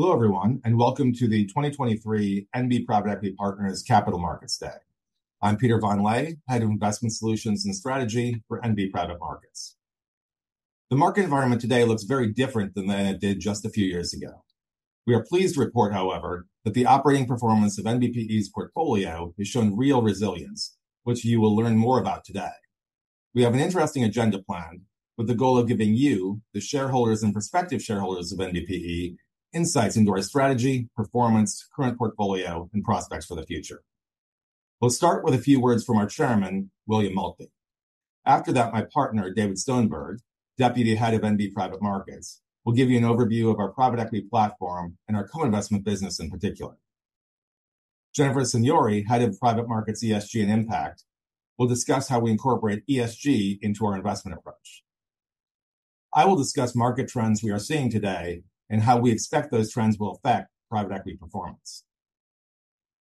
Hello everyone, and welcome to the 2023 NB Private Equity Partners Capital Markets Day. I'm Peter von Lehe, Head of Investment Solutions and Strategy for NB Private Markets. The market environment today looks very different than it did just a few years ago. We are pleased to report, however, that the operating performance of NBPE's portfolio is showing real resilience, which you will learn more about today. We have an interesting agenda planned, with the goal of giving you, the shareholders and prospective shareholders of NBPE, insights into our strategy, performance, current portfolio, and prospects for the future. We'll start with a few words from our chairman, William Maltby. After that, my partner, David Stonberg, Deputy Head of NB Private Markets, will give you an overview of our private equity platform and our co-investment business in particular. Jennifer Signori, Head of Private Markets, ESG, and Impact, will discuss how we incorporate ESG into our investment approach. I will discuss market trends we are seeing today and how we expect those trends will affect private equity performance.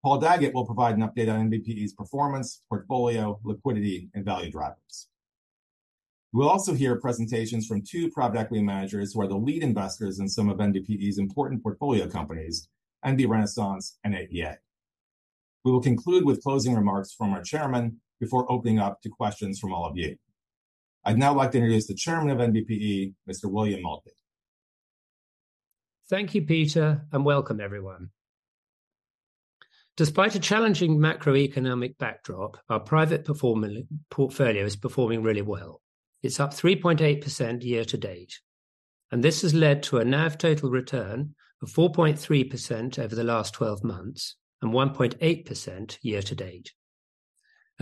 Paul Daggett will provide an update on NBPE's performance, portfolio, liquidity, and value drivers. We'll also hear presentations from two private equity managers who are the lead investors in some of NBPE's important portfolio companies, NB Renaissance and AEA. We will conclude with closing remarks from our chairman before opening up to questions from all of you. I'd now like to introduce the chairman of NBPE, Mr. William Maltby. Thank you, Peter, and welcome everyone. Despite a challenging macroeconomic backdrop, our private performing portfolio is performing really well. It's up 3.8% year to date, and this has led to a NAV total return of 4.3% over the last 12 months and 1.8% year to date.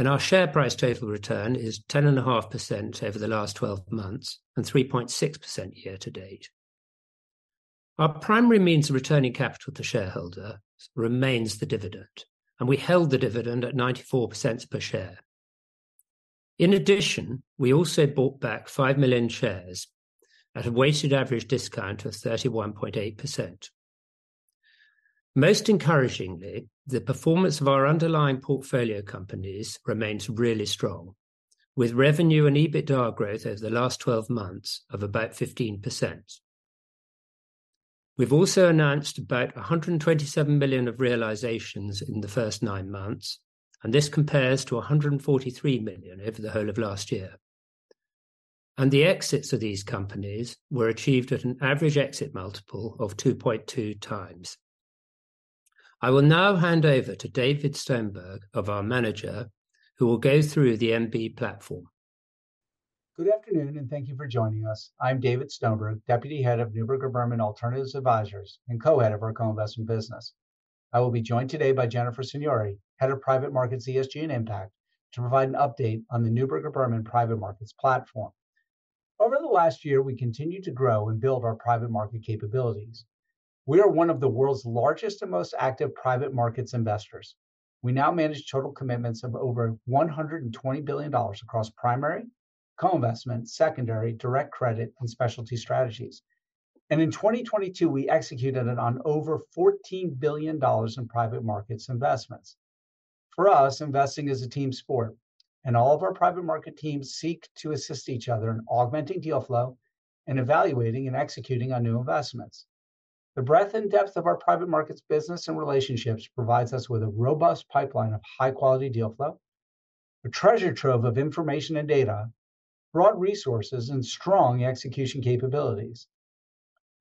Our share price total return is 10.5% over the last 12 months, and 3.6% year to date. Our primary means of returning capital to shareholders remains the dividend, and we held the dividend at $0.94 per share. In addition, we also bought back five million shares at a weighted average discount of 31.8%. Most encouragingly, the performance of our underlying portfolio companies remains really strong, with revenue and EBITDA growth over the last 12 months of about 15%. We've also announced about $127 million of realizations in the first nine months, and this compares to $143 million over the whole of last year. The exits of these companies were achieved at an average exit multiple of 2.2x. I will now hand over to David Stonberg, of our manager, who will go through the NB platform. Good afternoon, and thank you for joining us. I'm David Stonberg, Deputy Head of Neuberger Berman Alternatives Advisors, and Co-Head of our Co-Investment business. I will be joined today by Jennifer Signori, Head of Private Markets, ESG, and Impact, to provide an update on the Neuberger Berman private markets platform. Over the last year, we continued to grow and build our private market capabilities. We are one of the world's largest and most active private markets investors. We now manage total commitments of over $120 billion across primary, co-investment, secondary, direct credit, and specialty strategies. And in 2022, we executed on over $14 billion in private markets investments. For us, investing is a team sport, and all of our private market teams seek to assist each other in augmenting deal flow and evaluating and executing on new investments. The breadth and depth of our private markets business and relationships provides us with a robust pipeline of high-quality deal flow, a treasure trove of information and data, broad resources, and strong execution capabilities.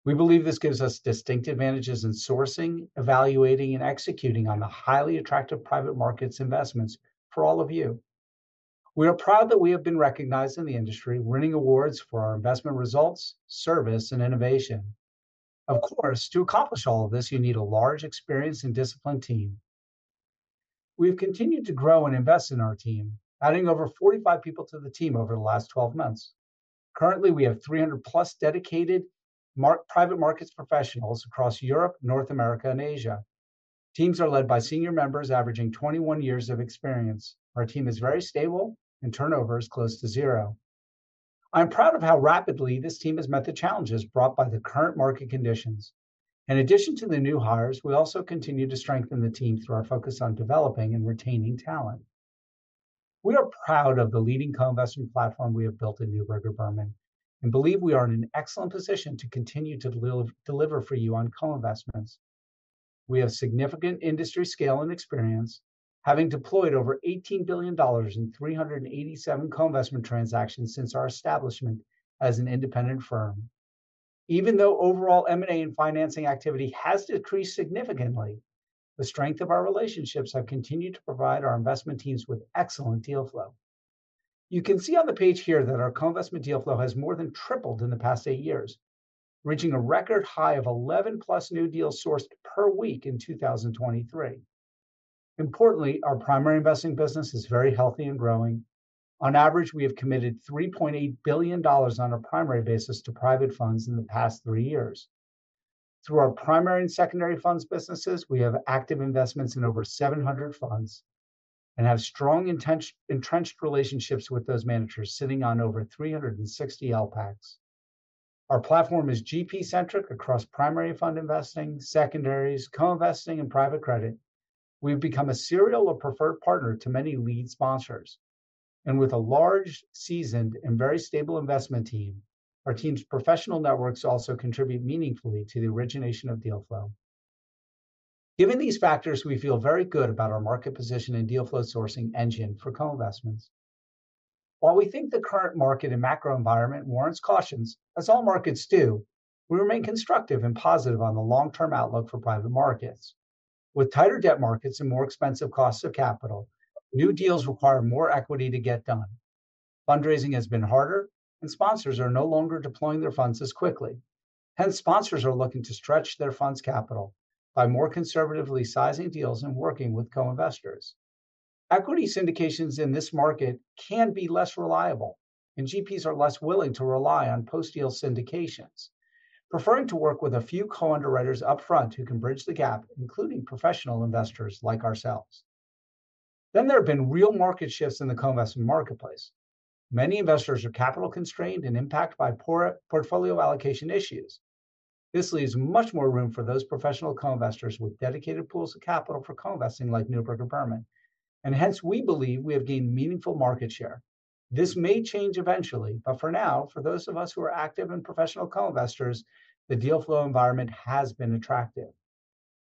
We believe this gives us distinct advantages in sourcing, evaluating, and executing on the highly attractive private markets investments for all of you. We are proud that we have been recognized in the industry, winning awards for our investment results, service, and innovation. Of course, to accomplish all of this, you need a large, experienced, and disciplined team. We have continued to grow and invest in our team, adding over 45 people to the team over the last 12 months. Currently, we have 300+ dedicated private markets professionals across Europe, North America, and Asia. Teams are led by senior members averaging 21 years of experience. Our team is very stable, and turnover is close to zero. I'm proud of how rapidly this team has met the challenges brought by the current market conditions. In addition to the new hires, we also continue to strengthen the team through our focus on developing and retaining talent. We are proud of the leading co-investment platform we have built in Neuberger Berman and believe we are in an excellent position to continue to deliver for you on co-investments. We have significant industry scale and experience, having deployed over $18 billion in 387 co-investment transactions since our establishment as an independent firm. Even though overall M&A and financing activity has decreased significantly, the strength of our relationships have continued to provide our investment teams with excellent deal flow. You can see on the page here that our co-investment deal flow has more than tripled in the past eight years, reaching a record high of 11+ new deals sourced per week in 2023. Importantly, our primary investing business is very healthy and growing. On average, we have committed $3.8 billion on a primary basis to private funds in the past three years. Through our primary and secondary funds businesses, we have active investments in over 700 funds and have strong entrenched relationships with those managers, sitting on over 360 LPACs. Our platform is GP-centric across primary fund investing, secondaries, co-investing, and private credit. We've become a serial or preferred partner to many lead sponsors and with a large, seasoned, and very stable investment team, our team's professional networks also contribute meaningfully to the origination of deal flow. Given these factors, we feel very good about our market position and deal flow sourcing engine for co-investments. While we think the current market and macro environment warrants cautions, as all markets do, we remain constructive and positive on the long-term outlook for private markets. With tighter debt markets and more expensive costs of capital, new deals require more equity to get done. Fundraising has been harder, and sponsors are no longer deploying their funds as quickly. Hence, sponsors are looking to stretch their fund's capital by more conservatively sizing deals and working with co-investors. Equity syndications in this market can be less reliable, and GPs are less willing to rely on post-deal syndications, preferring to work with a few co-underwriters upfront who can bridge the gap, including professional investors like ourselves. Then there have been real market shifts in the co-investment marketplace. Many investors are capital-constrained and impacted by poor portfolio allocation issues. This leaves much more room for those professional co-investors with dedicated pools of capital for co-investing, like Neuberger Berman, and hence, we believe we have gained meaningful market share. This may change eventually, but for now, for those of us who are active and professional co-investors, the deal flow environment has been attractive.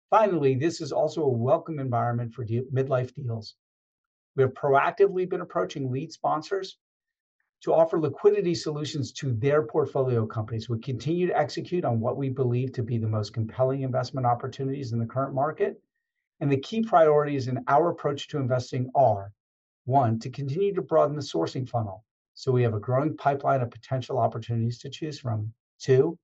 Finally, this is also a welcome environment for midlife deals. We have proactively been approaching lead sponsors to offer liquidity solutions to their portfolio companies. We continue to execute on what we believe to be the most compelling investment opportunities in the current market, and the key priorities in our approach to investing are, one, to continue to broaden the sourcing funnel, so we have a growing pipeline of potential opportunities to choose from. Two,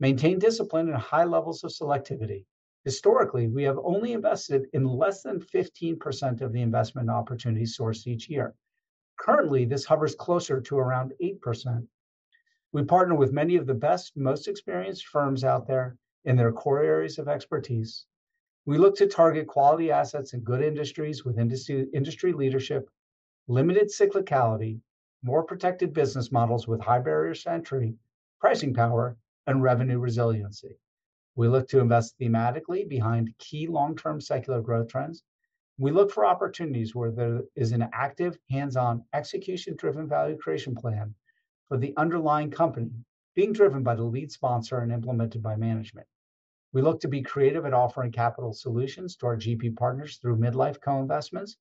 maintain discipline and high levels of selectivity. Historically, we have only invested in less than 15% of the investment opportunities sourced each year. Currently, this hovers closer to around 8%. We partner with many of the best, most experienced firms out there in their core areas of expertise. We look to target quality assets in good industries with industry leadership, limited cyclicality, more protected business models with high barriers to entry, pricing power, and revenue resiliency. We look to invest thematically behind key long-term secular growth trends. We look for opportunities where there is an active, hands-on, execution-driven value creation plan for the underlying company, being driven by the lead sponsor and implemented by management. We look to be creative at offering capital solutions to our GP partners through midlife co-investments,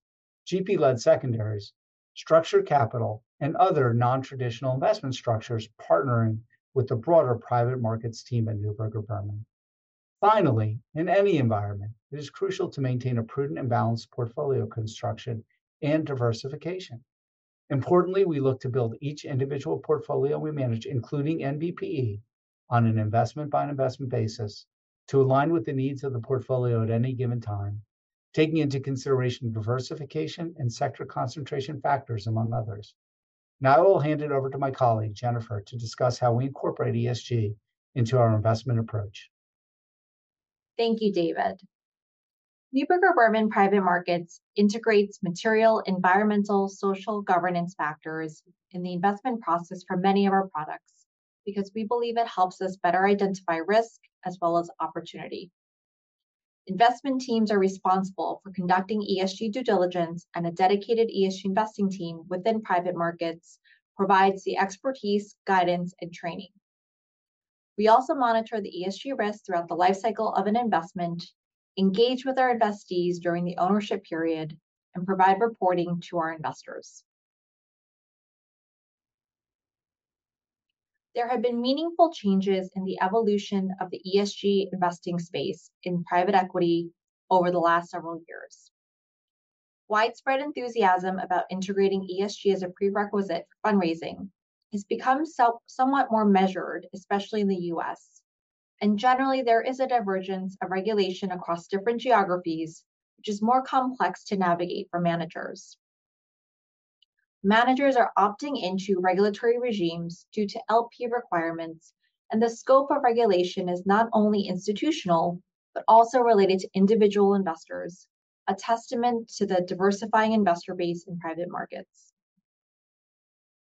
GP-led secondaries, structured capital, and other non-traditional investment structures, partnering with the broader private markets team at Neuberger Berman. Finally, in any environment, it is crucial to maintain a prudent and balanced portfolio construction and diversification. Importantly, we look to build each individual portfolio we manage, including NBPE, on an investment-by-investment basis to align with the needs of the portfolio at any given time, taking into consideration diversification and sector concentration factors, among others. Now, I will hand it over to my colleague, Jennifer, to discuss how we incorporate ESG into our investment approach. Thank you, David. Neuberger Berman Private Markets integrates material environmental, social, governance factors in the investment process for many of our products because we believe it helps us better identify risk as well as opportunity. Investment teams are responsible for conducting ESG due diligence, and a dedicated ESG investing team within private markets provides the expertise, guidance, and training. We also monitor the ESG risks throughout the lifecycle of an investment, engage with our investees during the ownership period, and provide reporting to our investors. There have been meaningful changes in the evolution of the ESG investing space in private equity over the last several years. Widespread enthusiasm about integrating ESG as a prerequisite for fundraising has become somewhat more measured, especially in the U.S., and generally, there is a divergence of regulation across different geographies, which is more complex to navigate for managers. Managers are opting into regulatory regimes due to LP requirements, and the scope of regulation is not only institutional, but also related to individual investors, a testament to the diversifying investor base in private markets.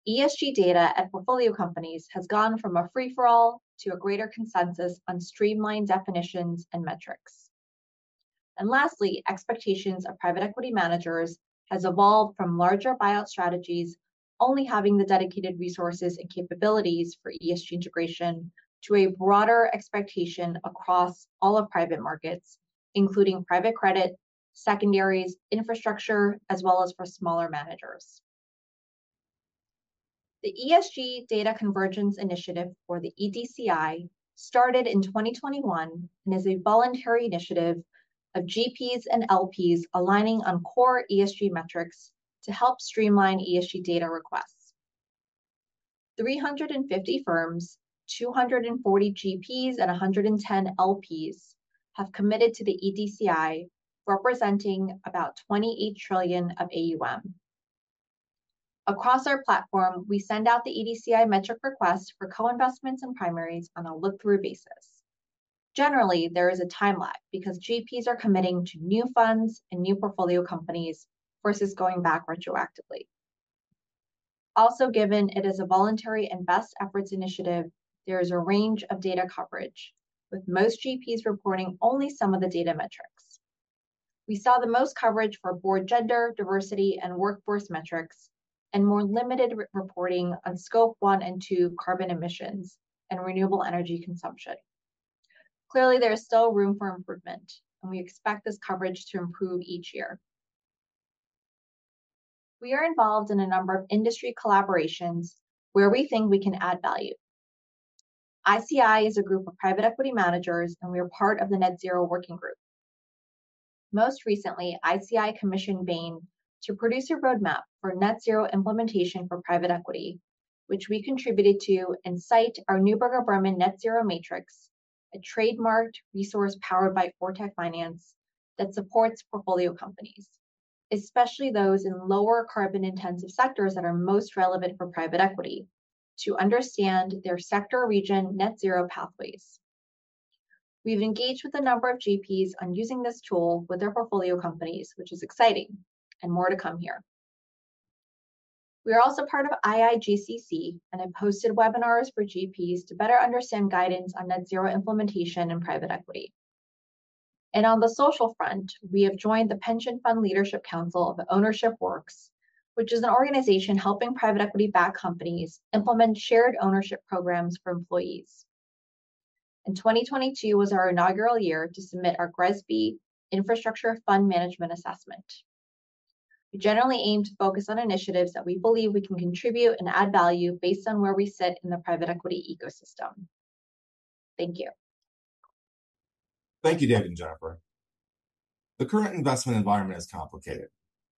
ESG data at portfolio companies has gone from a free-for-all to a greater consensus on streamlined definitions and metrics. Lastly, expectations of private equity managers has evolved from larger buyout strategies, only having the dedicated resources and capabilities for ESG integration to a broader expectation across all of private markets, including private credit, secondaries, infrastructure, as well as for smaller managers. The ESG Data Convergence Initiative, or the EDCI, started in 2021 and is a voluntary initiative of GPs and LPs aligning on core ESG metrics to help streamline ESG data requests. 350 firms, 240 GPs, and 110 LPs have committed to the EDCI, representing about $28 trillion of AUM. Across our platform, we send out the EDCI metric request for co-investments and primaries on a look-through basis. Generally, there is a time lag because GPs are committing to new funds and new portfolio companies versus going back retroactively. Also, given it is a voluntary and best efforts initiative, there is a range of data coverage, with most GPs reporting only some of the data metrics. We saw the most coverage for board gender, diversity, and workforce metrics, and more limited re-reporting on Scope 1 and 2 carbon emissions, and renewable energy consumption. Clearly, there is still room for improvement, and we expect this coverage to improve each year. We are involved in a number of industry collaborations where we think we can add value. ICI is a group of private equity managers, and we are part of the Net-Zero Working Group. Most recently, ICI commissioned Bain to produce a roadmap for net zero implementation for private equity, which we contributed to, and cite our Neuberger Berman Net Zero Matrix, a trademarked resource powered by Ortec Finance, that supports portfolio companies, especially those in lower carbon-intensive sectors that are most relevant for private equity, to understand their sector region net zero pathways. We've engaged with a number of GPs on using this tool with their portfolio companies, which is exciting, and more to come here. We are also part of IIGCC, and have posted webinars for GPs to better understand guidance on net zero implementation and private equity. On the social front, we have joined the Pension Fund Leadership Council of Ownership Works, which is an organization helping private equity-backed companies implement shared ownership programs for employees. In 2022 was our inaugural year to submit our GRESB Infrastructure Fund Management Assessment. We generally aim to focus on initiatives that we believe we can contribute and add value based on where we sit in the private equity ecosystem. Thank you. Thank you, David and Jennifer. The current investment environment is complicated.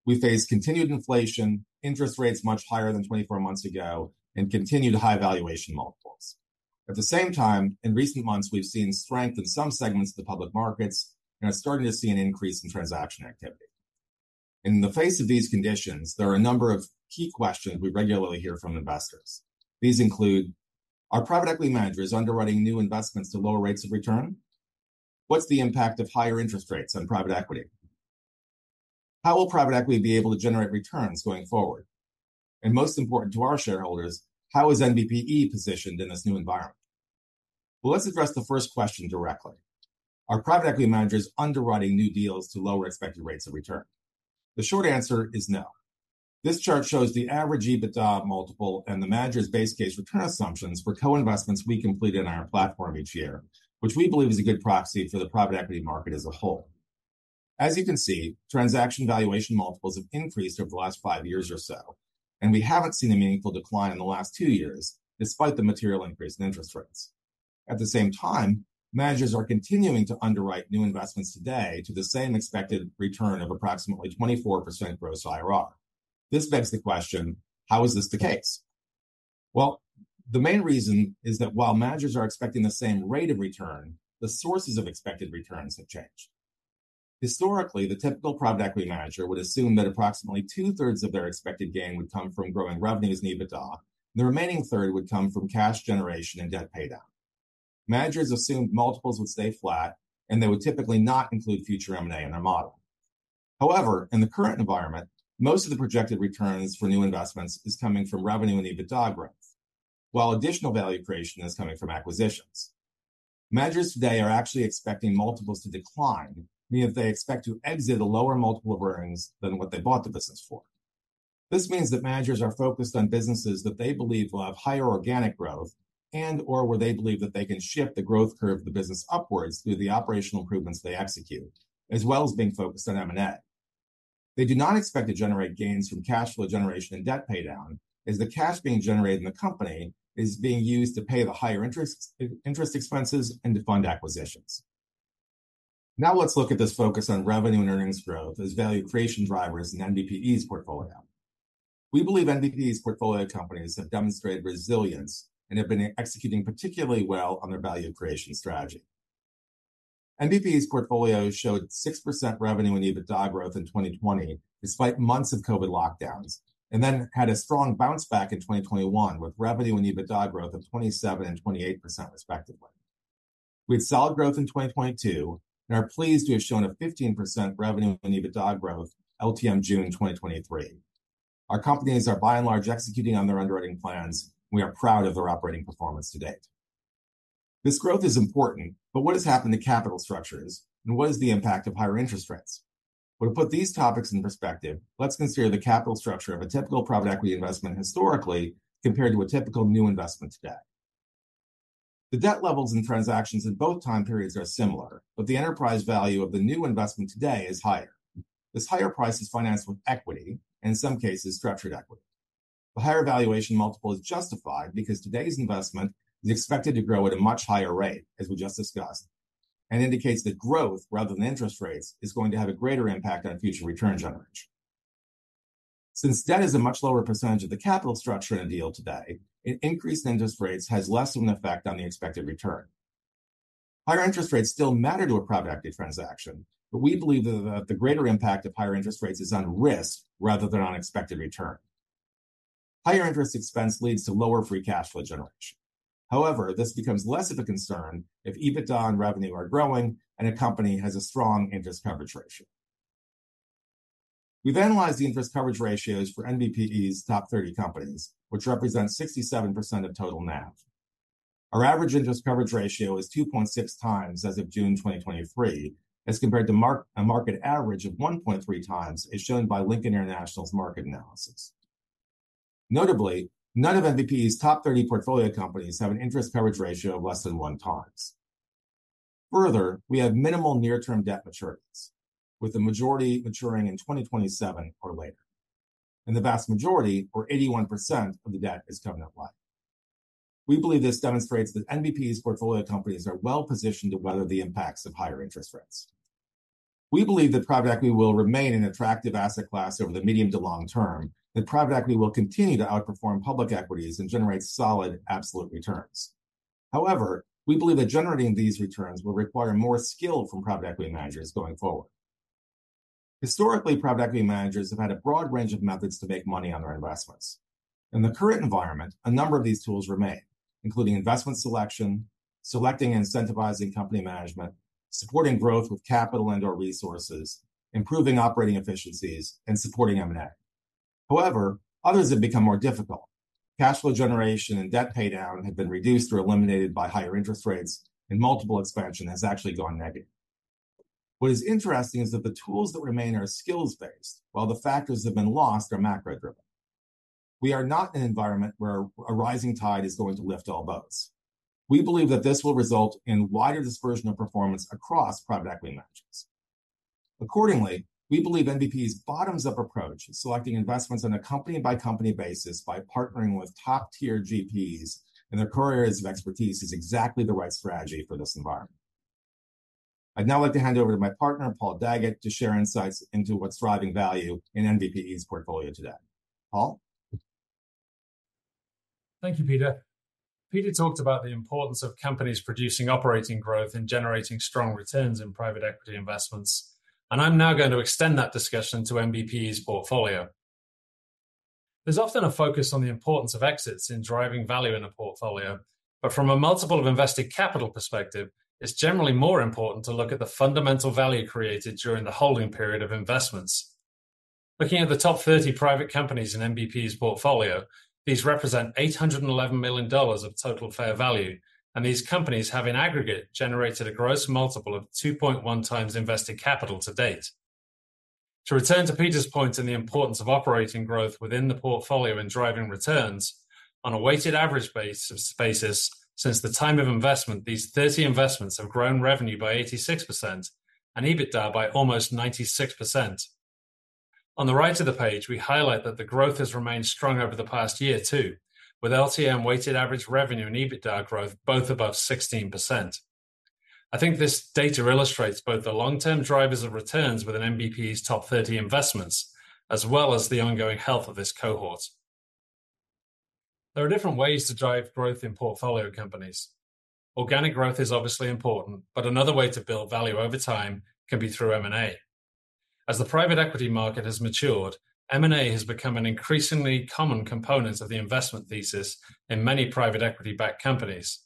We face continued inflation, interest rates much higher than 24 months ago, and continued high valuation multiples. At the same time, in recent months, we've seen strength in some segments of the public markets, and are starting to see an increase in transaction activity. In the face of these conditions, there are a number of key questions we regularly hear from investors. These include: Are private equity managers underwriting new investments to lower rates of return? What's the impact of higher interest rates on private equity? How will private equity be able to generate returns going forward? And most important to our shareholders, how is NBPE positioned in this new environment? Well, let's address the first question directly. Are private equity managers underwriting new deals to lower expected rates of return? The short answer is no. This chart shows the average EBITDA multiple and the manager's base case return assumptions for co-investments we complete in our platform each year, which we believe is a good proxy for the private equity market as a whole. As you can see, transaction valuation multiples have increased over the last five years or so, and we haven't seen a meaningful decline in the last two years, despite the material increase in interest rates. At the same time, managers are continuing to underwrite new investments today to the same expected return of approximately 24% gross IRR. This begs the question: How is this the case? Well, the main reason is that while managers are expecting the same rate of return, the sources of expected returns have changed. Historically, the typical private equity manager would assume that approximately two-thirds of their expected gain would come from growing revenues and EBITDA, and the remaining third would come from cash generation and debt paydown. Managers assumed multiples would stay flat, and they would typically not include future M&A in their model. However, in the current environment, most of the projected returns for new investments is coming from revenue and EBITDA growth, while additional value creation is coming from acquisitions. Managers today are actually expecting multiples to decline, meaning they expect to exit a lower multiple of earnings than what they bought the business for. This means that managers are focused on businesses that they believe will have higher organic growth, and/or where they believe that they can shift the growth curve of the business upwards through the operational improvements they execute, as well as being focused on M&A. They do not expect to generate gains from cash flow generation and debt paydown, as the cash being generated in the company is being used to pay the higher interests, interest expenses, and to fund acquisitions. Now, let's look at this focus on revenue and earnings growth as value creation drivers in NBPE's portfolio. We believe NBPE's portfolio companies have demonstrated resilience, and have been executing particularly well on their value creation strategy. NBPE's portfolio showed 6% revenue and EBITDA growth in 2020, despite months of COVID lockdowns, and then had a strong bounce back in 2021, with revenue and EBITDA growth of 27% and 28%, respectively. We had solid growth in 2022, and are pleased to have shown a 15% revenue and EBITDA growth LTM June 2023. Our companies are, by and large, executing on their underwriting plans. We are proud of their operating performance to date. This growth is important, but what has happened to capital structures, and what is the impact of higher interest rates? Well, to put these topics in perspective, let's consider the capital structure of a typical private equity investment historically, compared to a typical new investment today. The debt levels in transactions in both time periods are similar, but the enterprise value of the new investment today is higher. This higher price is financed with equity, in some cases, structured equity. The higher valuation multiple is justified because today's investment is expected to grow at a much higher rate, as we just discussed, and indicates that growth, rather than interest rates, is going to have a greater impact on future return generation. Since debt is a much lower percentage of the capital structure in a deal today, an increase in interest rates has less of an effect on the expected return. Higher interest rates still matter to a private equity transaction, but we believe that the greater impact of higher interest rates is on risk rather than on expected return. Higher interest expense leads to lower free cash flow generation. However, this becomes less of a concern if EBITDA and revenue are growing and a company has a strong interest coverage ratio. We've analyzed the interest coverage ratios for NBPE's top 30 companies, which represent 67% of total NAV. Our average interest coverage ratio is 2.6x as of June 2023, as compared to a market average of 1.3x, as shown by Lincoln International's market analysis. Notably, none of NBPE's top 30 portfolio companies have an interest coverage ratio of less than 1x. Further, we have minimal near-term debt maturities, with the majority maturing in 2027 or later, and the vast majority, or 81% of the debt, is covenant-light. We believe this demonstrates that NBPE's portfolio companies are well-positioned to weather the impacts of higher interest rates. We believe that private equity will remain an attractive asset class over the medium to long term, that private equity will continue to outperform public equities and generate solid absolute returns. However, we believe that generating these returns will require more skill from private equity managers going forward. Historically, private equity managers have had a broad range of methods to make money on their investments. In the current environment, a number of these tools remain, including investment selection, selecting and incentivizing company management, supporting growth with capital and/or resources, improving operating efficiencies, and supporting M&A. However, others have become more difficult. Cash flow generation and debt paydown have been reduced or eliminated by higher interest rates, and multiple expansion has actually gone negative. What is interesting is that the tools that remain are skills-based, while the factors that have been lost are macro-driven. We are not in an environment where a rising tide is going to lift all boats. We believe that this will result in wider dispersion of performance across private equity managers. Accordingly, we believe NBPE's bottoms-up approach in selecting investments on a company-by-company basis by partnering with top-tier GPs in their core areas of expertise is exactly the right strategy for this environment. I'd now like to hand over to my partner, Paul Daggett, to share insights into what's driving value in NBPE's portfolio today. Paul? Thank you, Peter. Peter talked about the importance of companies producing operating growth and generating strong returns in private equity investments, and I'm now going to extend that discussion to NBPE's portfolio. There's often a focus on the importance of exits in driving value in a portfolio, but from a multiple of invested capital perspective, it's generally more important to look at the fundamental value created during the holding period of investments. Looking at the top 30 private companies in NBPE's portfolio, these represent $811 million of total fair value, and these companies have, in aggregate, generated a gross multiple of 2.1x invested capital to date. To return to Peter's point in the importance of operating growth within the portfolio and driving returns, on a weighted average basis of sales since the time of investment, these 30 investments have grown revenue by 86% and EBITDA by almost 96%. On the right of the page, we highlight that the growth has remained strong over the past year, too, with LTM weighted average revenue and EBITDA growth both above 16%. I think this data illustrates both the long-term drivers of returns within NBPE's top 30 investments, as well as the ongoing health of this cohort. There are different ways to drive growth in portfolio companies. Organic growth is obviously important, but another way to build value over time can be through M&A. As the private equity market has matured, M&A has become an increasingly common component of the investment thesis in many private equity-backed companies.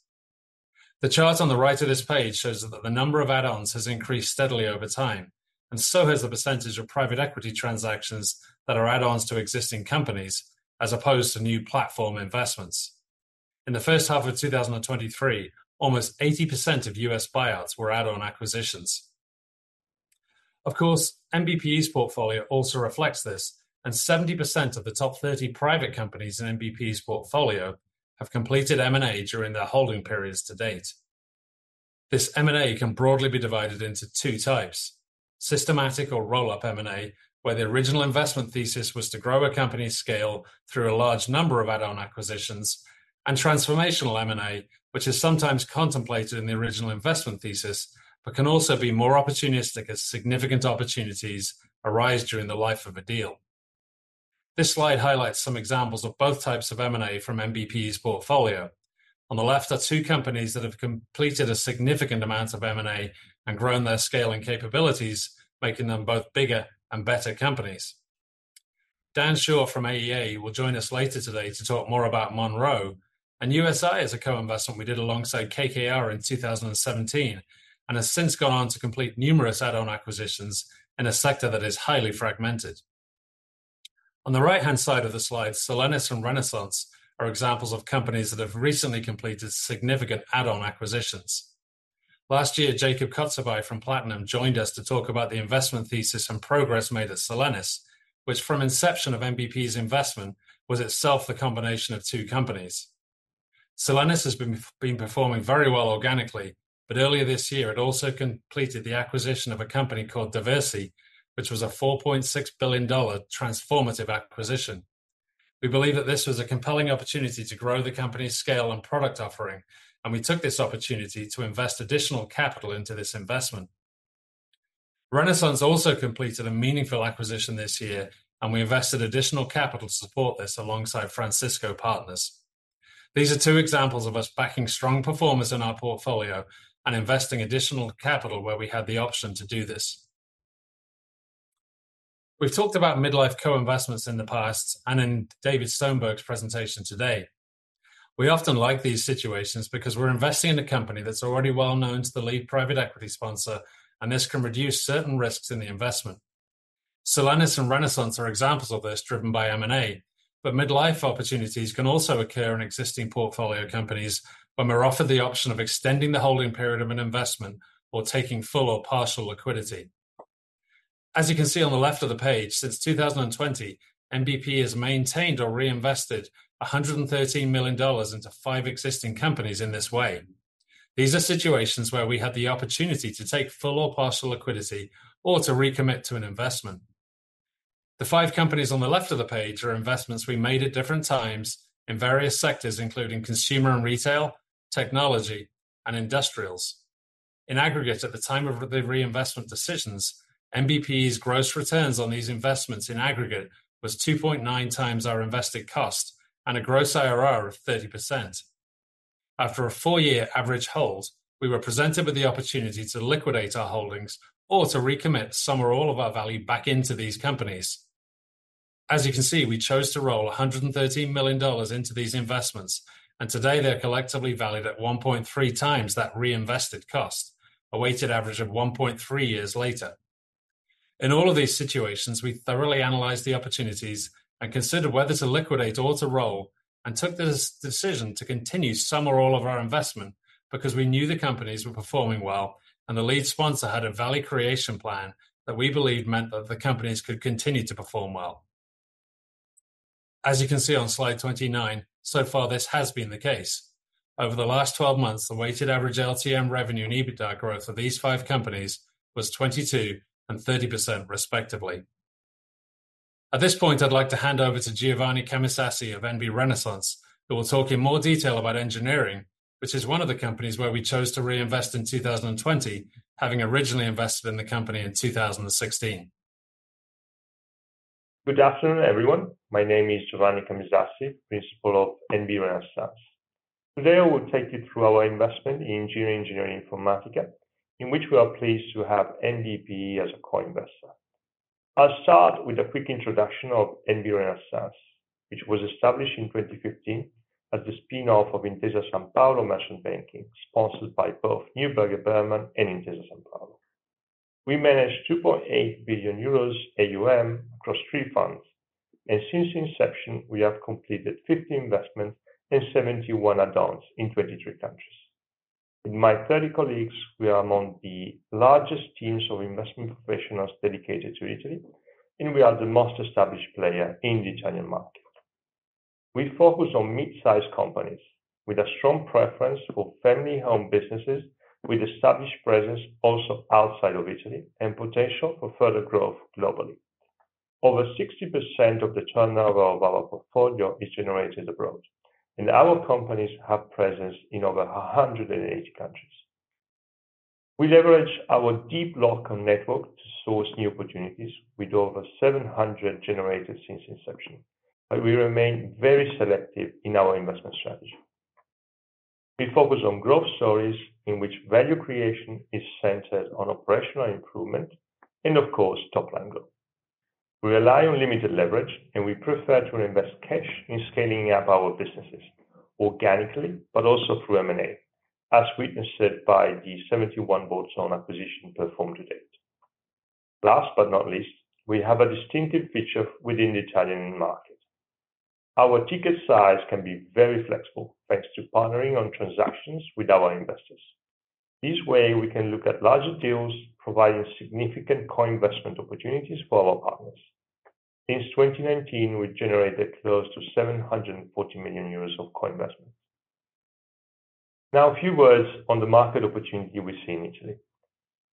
The chart on the right of this page shows that the number of add-ons has increased steadily over time, and so has the percentage of private equity transactions that are add-ons to existing companies, as opposed to new platform investments. In the first half of 2023, almost 80% of U.S. buyouts were add-on acquisitions. Of course, NBPE's portfolio also reflects this, and 70% of the top 30 private companies in NBPE's portfolio have completed M&A during their holding periods to date. This M&A can broadly be divided into two types: systematic or roll-up M&A, where the original investment thesis was to grow a company's scale through a large number of add-on acquisitions, and transformational M&A, which is sometimes contemplated in the original investment thesis, but can also be more opportunistic as significant opportunities arise during the life of a deal. This slide highlights some examples of both types of M&A from NBPE's portfolio. On the left are two companies that have completed a significant amount of M&A and grown their scale and capabilities, making them both bigger and better companies. Dan Schorr from AEA will join us later today to talk more about Monroe, and USI is a co-investment we did alongside KKR in 2017, and has since gone on to complete numerous add-on acquisitions in a sector that is highly fragmented. On the right-hand side of the slide, Solenis and Renaissance are examples of companies that have recently completed significant add-on acquisitions. Last year, Jacob Kotzubei from Platinum joined us to talk about the investment thesis and progress made at Solenis, which from inception of NBPE's investment, was itself the combination of two companies. Solenis has been performing very well organically, but earlier this year, it also completed the acquisition of a company called Diversey, which was a $4.6 billion transformative acquisition. We believe that this was a compelling opportunity to grow the company's scale and product offering, and we took this opportunity to invest additional capital into this investment. Renaissance also completed a meaningful acquisition this year, and we invested additional capital to support this alongside Francisco Partners. These are two examples of us backing strong performers in our portfolio and investing additional capital where we had the option to do this. We've talked about midlife co-investments in the past and in David Stonberg's presentation today. We often like these situations because we're investing in a company that's already well known to the lead private equity sponsor, and this can reduce certain risks in the investment. Solenis and Renaissance are examples of this, driven by M&A, but midlife opportunities can also occur in existing portfolio companies when we're offered the option of extending the holding period of an investment or taking full or partial liquidity. As you can see on the left of the page, since 2020, NBPE has maintained or reinvested $113 million into five existing companies in this way. These are situations where we had the opportunity to take full or partial liquidity or to recommit to an investment. The five companies on the left of the page are investments we made at different times in various sectors, including consumer and retail, technology, and industrials. In aggregate, at the time of the reinvestment decisions, NBPE's gross returns on these investments in aggregate was 2.9x our invested cost and a gross IRR of 30%. After a four-year average hold, we were presented with the opportunity to liquidate our holdings or to recommit some or all of our value back into these companies. As you can see, we chose to roll $113 million into these investments, and today they're collectively valued at 1.3x that reinvested cost, a weighted average of 1.3 years later. In all of these situations, we thoroughly analyzed the opportunities and considered whether to liquidate or to roll, and took this decision to continue some or all of our investment, because we knew the companies were performing well, and the lead sponsor had a value creation plan that we believed meant that the companies could continue to perform well. As you can see on slide 29, so far, this has been the case. Over the last twelve months, the weighted average LTM revenue and EBITDA growth of these five companies was 22% and 30%, respectively. At this point, I'd like to hand over to Giovanni Camisassi of NB Renaissance, who will talk in more detail about engineering, which is one of the companies where we chose to reinvest in 2020, having originally invested in the company in 2016. Good afternoon, everyone. My name is Giovanni Camisassi, Principal of NB Renaissance. Today, I will take you through our investment in Engineering Ingegneria Informatica, in which we are pleased to have NBPE as a co-investor. I'll start with a quick introduction of NB Renaissance, which was established in 2015 as the spin-off of Intesa Sanpaolo Merchant Banking, sponsored by both Neuberger Berman and Intesa Sanpaolo. We manage 2.8 billion euros AUM across three funds, and since inception, we have completed 50 investments and 71 add-ons in 23 countries. In my 30 colleagues, we are among the largest teams of investment professionals dedicated to Italy, and we are the most established player in the Italian market. We focus on mid-sized companies with a strong preference for family-owned businesses, with established presence also outside of Italy and potential for further growth globally. Over 60% of the turnover of our portfolio is generated abroad, and our companies have presence in over 180 countries. We leverage our deep local network to source new opportunities with over 700 generated since inception, but we remain very selective in our investment strategy. We focus on growth stories in which value creation is centered on operational improvement and, of course, top-line growth. We rely on limited leverage, and we prefer to invest cash in scaling up our businesses organically, but also through M&A, as witnessed by the 71 add-on acquisitions performed to date. Last but not least, we have a distinctive feature within the Italian market. Our ticket size can be very flexible, thanks to partnering on transactions with our investors. This way, we can look at larger deals, providing significant co-investment opportunities for our partners. Since 2019, we generated close to 740 million euros of co-investments. Now, a few words on the market opportunity we see in Italy.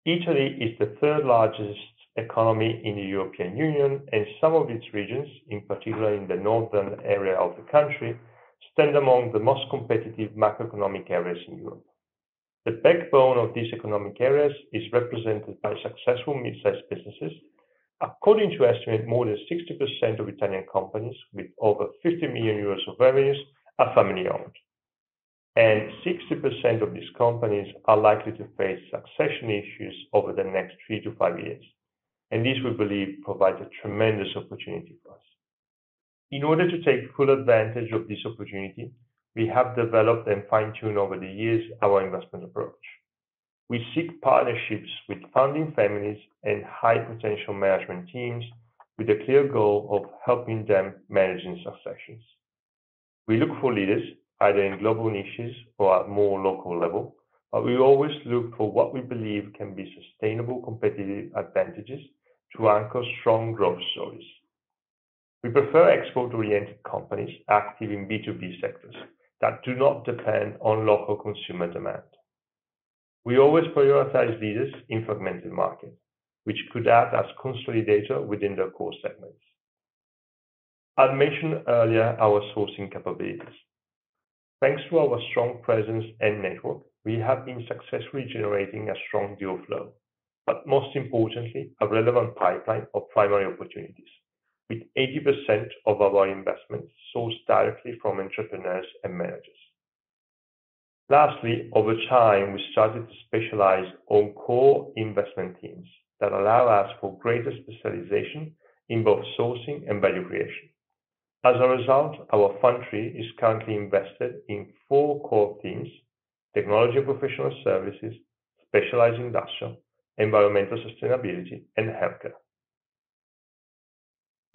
Italy is the third-largest economy in the European Union, and some of its regions, in particular in the northern area of the country, stand among the most competitive macroeconomic areas in Europe. The backbone of these economic areas is represented by successful mid-sized businesses. According to estimates, more than 60% of Italian companies with over 50 million euros of revenues are family-owned, and 60% of these companies are likely to face succession issues over the next three-five years. This, we believe, provides a tremendous opportunity for us. In order to take full advantage of this opportunity, we have developed and fine-tuned over the years our investment approach. We seek partnerships with founding families and high-potential management teams with a clear goal of helping them managing successions. We look for leaders, either in global niches or at more local level, but we always look for what we believe can be sustainable competitive advantages to anchor strong growth stories. We prefer export-oriented companies active in B2B sectors that do not depend on local consumer demand. We always prioritize leaders in fragmented markets, which could act as consolidator within their core segments. I'd mentioned earlier our sourcing capabilities. Thanks to our strong presence and network, we have been successfully generating a strong deal flow, but most importantly, a relevant pipeline of primary opportunities, with 80% of our investments sourced directly from entrepreneurs and managers. Lastly, over time, we started to specialize on core investment teams that allow us for greater specialization in both sourcing and value creation. As a result, our fund three is currently invested in four core teams: technology and professional services, specialized industrial, environmental sustainability, and healthcare.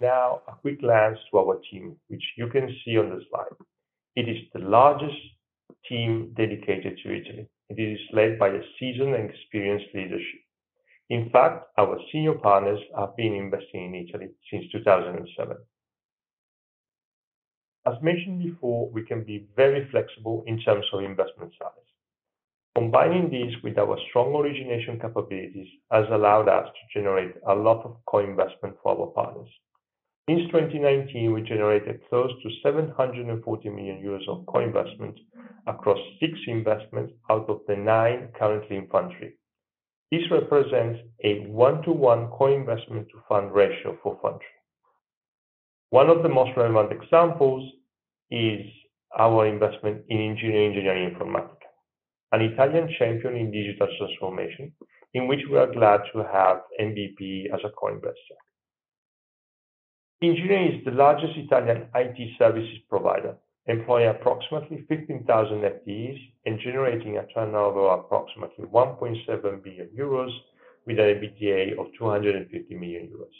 Now, a quick glance to our team, which you can see on the slide. It is the largest team dedicated to Italy. It is led by a seasoned and experienced leadership. In fact, our senior partners have been investing in Italy since 2007. As mentioned before, we can be very flexible in terms of investment size. Combining this with our strong origination capabilities has allowed us to generate a lot of co-investment for our partners. In 2019, we generated close to 740 million euros of co-investment across six investments out of the nine currently in fund three. This represents a one-to-one co-investment to fund ratio for fund three. One of the most relevant examples is our investment in Engineering Ingegneria Informatica, an Italian champion in digital transformation, in which we are glad to have MVP as a co-investor. Engineering Ingegneria Informatica is the largest Italian IT services provider, employing approximately 15,000 FTEs and generating a turnover of approximately 1.7 billion euros, with an EBITDA of 250 million euros.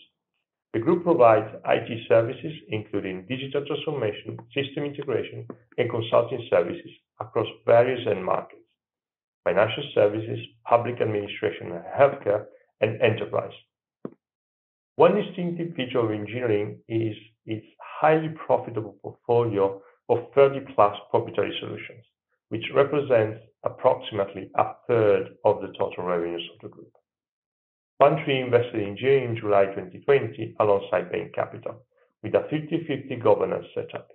The group provides IT services, including digital transformation, system integration, and consulting services across various end markets: financial services, public administration and healthcare, and enterprise. One distinctive feature of Engineering Ingegneria Informatica is its highly profitable portfolio of 30+ proprietary solutions, which represents approximately a third of the total revenues of the group. Fund three invested in Engineering Ingegneria Informatica in July 2020, alongside Bain Capital, with a 50/50 governance setup.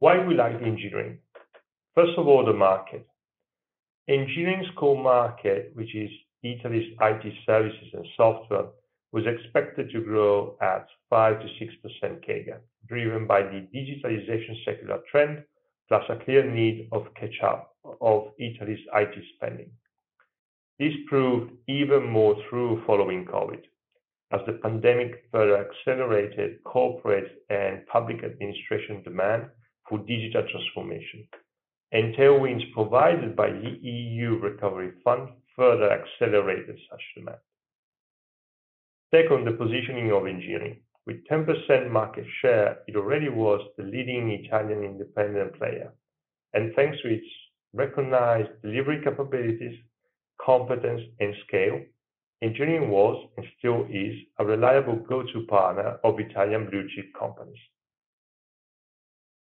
Why we like Engineering Ingegneria Informatica? First of all, the market. Engineering's core market, which is Italy's IT services and software, was expected to grow at 5%-6% CAGR, driven by the digitalization secular trend, plus a clear need of catch-up of Italy's IT spending. This proved even more true following COVID, as the pandemic further accelerated corporate and public administration demand for digital transformation, and tailwinds provided by the EU Recovery Fund further accelerated such demand. Second, the positioning of Engineering. With 10% market share, it already was the leading Italian independent player, and thanks to its recognized delivery capabilities, competence, and scale, Engineering was, and still is, a reliable go-to partner of Italian blue-chip companies.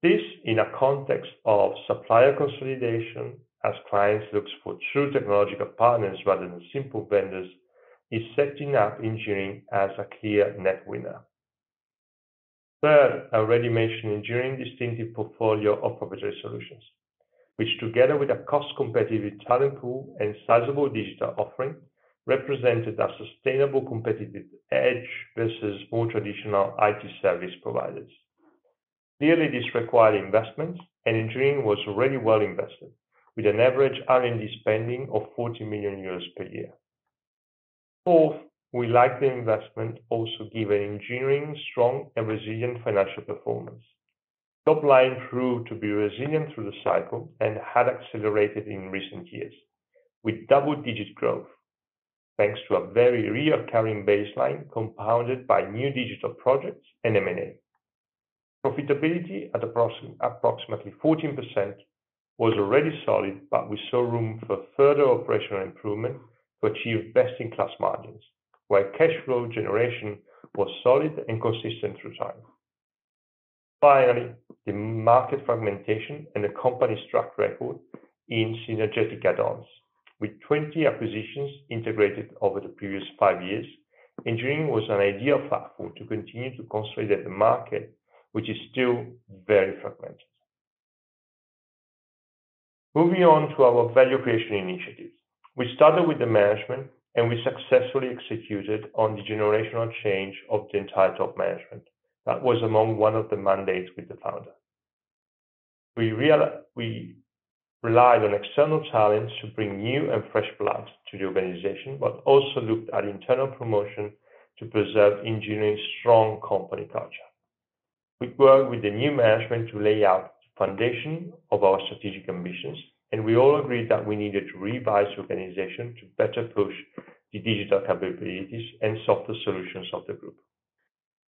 This, in a context of supplier consolidation, as clients looks for true technological partners rather than simple vendors, is setting up Engineering as a clear net winner. Third, I already mentioned Engineering's distinctive portfolio of proprietary solutions, which, together with a cost-competitive talent pool and sizable digital offering, represented a sustainable competitive edge versus more traditional IT service providers. Clearly, this required investments, and Engineering was already well-invested, with an average R&D spending of 40 million euros per year. Fourth, we like the investment also given Engineering's strong and resilient financial performance. Top line proved to be resilient through the cycle and had accelerated in recent years, with double-digit growth, thanks to a very recurring baseline, compounded by new digital projects and M&A. Profitability, at approximately 14%, was already solid, but we saw room for further operational improvement to achieve best-in-class margins, while cash flow generation was solid and consistent through time. Finally, the market fragmentation and the company's track record in synergetic add-ons. With 20 acquisitions integrated over the previous five years, Engineering was an ideal platform to continue to consolidate the market, which is still very fragmented. Moving on to our value creation initiatives. We started with the management, and we successfully executed on the generational change of the entire top management. That was among one of the mandates with the founder. We relied on external talents to bring new and fresh blood to the organization, but also looked at internal promotion to preserve Engineering's strong company culture. We worked with the new management to lay out the foundation of our strategic ambitions, and we all agreed that we needed to revise the organization to better push the digital capabilities and software solutions of the group.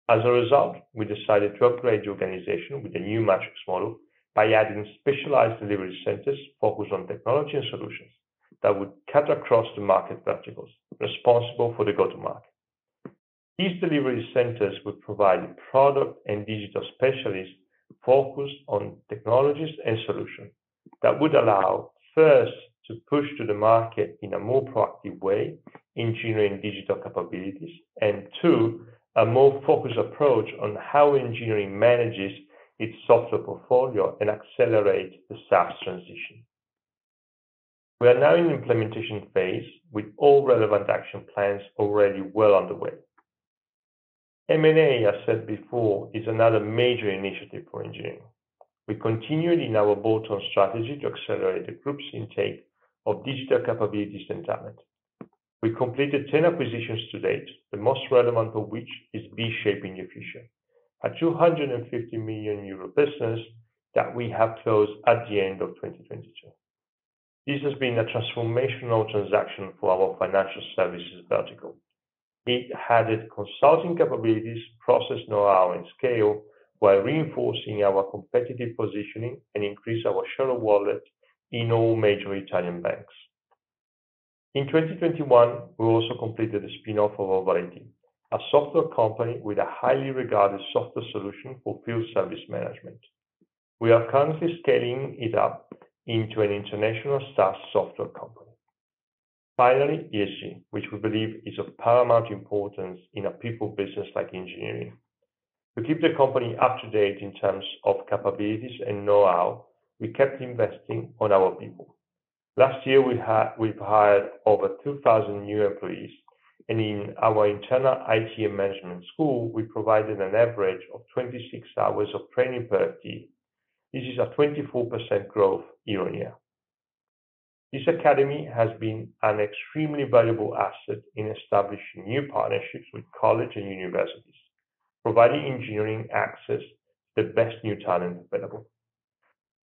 As a result, we decided to upgrade the organization with a new matrix model by adding specialized delivery centers focused on technology and solutions that would cut across the market verticals responsible for the go-to-market. These delivery centers would provide product and digital specialists focused on technologies and solutions that would allow, first, to push to the market in a more proactive way, Engineering digital capabilities, and two, a more focused approach on how Engineering manages its software portfolio and accelerate the SaaS transition. We are now in the implementation phase, with all relevant action plans already well underway. M&A, I said before, is another major initiative for Engineering. We continued in our bolt-on strategy to accelerate the group's intake of digital capabilities and talent. We completed 10 acquisitions to date, the most relevant of which is Be Shaping the Future, a 250 million euro business that we have closed at the end of 2022. This has been a transformational transaction for our financial services vertical. It added consulting capabilities, process know-how, and scale, while reinforcing our competitive positioning and increase our share of wallet in all major Italian banks. In 2021, we also completed the spin-off of OverIT, a software company with a highly regarded software solution for field service management. We are currently scaling it up into an international staff software company. Finally, ESG, which we believe is of paramount importance in a people business like engineering. To keep the company up to date in terms of capabilities and know-how, we kept investing on our people. Last year, we've hired over 2,000 new employees, and in our internal IT and management school, we provided an average of 26 hours of training per team. This is a 24% growth year-on-year. This academy has been an extremely valuable asset in establishing new partnerships with college and universities, providing engineering access to the best new talent available.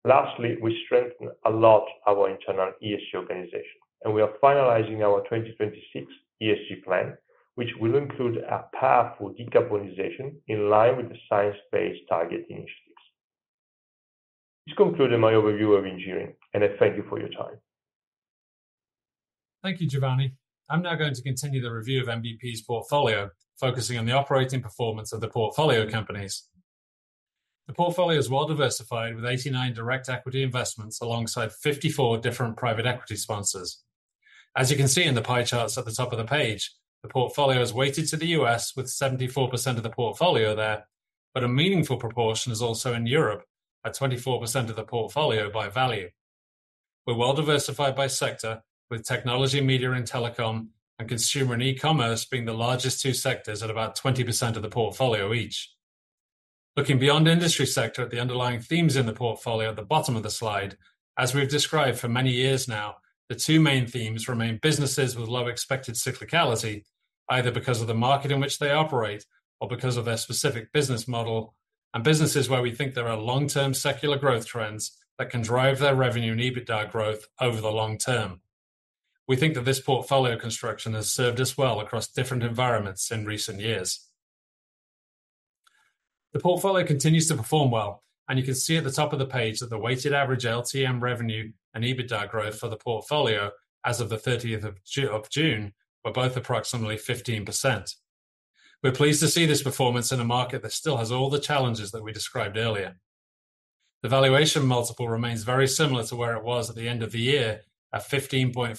Lastly, we strengthen a lot our internal ESG organization, and we are finalizing our 2026 ESG plan, which will include a path for decarbonization in line with the science-based target initiatives. This concluded my overview of Engineering, and I thank you for your time. Thank you, Giovanni. I'm now going to continue the review of NBPE's portfolio, focusing on the operating performance of the portfolio companies. The portfolio is well diversified, with 89 direct equity investments alongside 54 different private equity sponsors. As you can see in the pie charts at the top of the page, the portfolio is weighted to the U.S. with 74% of the portfolio there, but a meaningful proportion is also in Europe, at 24% of the portfolio by value. We're well diversified by sector, with technology, media and telecom, and consumer and e-commerce being the largest two sectors at about 20% of the portfolio each. Looking beyond industry sector at the underlying themes in the portfolio at the bottom of the slide, as we've described for many years now, the two main themes remain businesses with low expected cyclicality, either because of the market in which they operate or because of their specific business model, and businesses where we think there are long-term secular growth trends that can drive their revenue and EBITDA growth over the long term. We think that this portfolio construction has served us well across different environments in recent years. The portfolio continues to perform well, and you can see at the top of the page that the weighted average LTM revenue and EBITDA growth for the portfolio as of the thirteenth of June, were both approximately 15%. We're pleased to see this performance in a market that still has all the challenges that we described earlier. The valuation multiple remains very similar to where it was at the end of the year, at 15.4x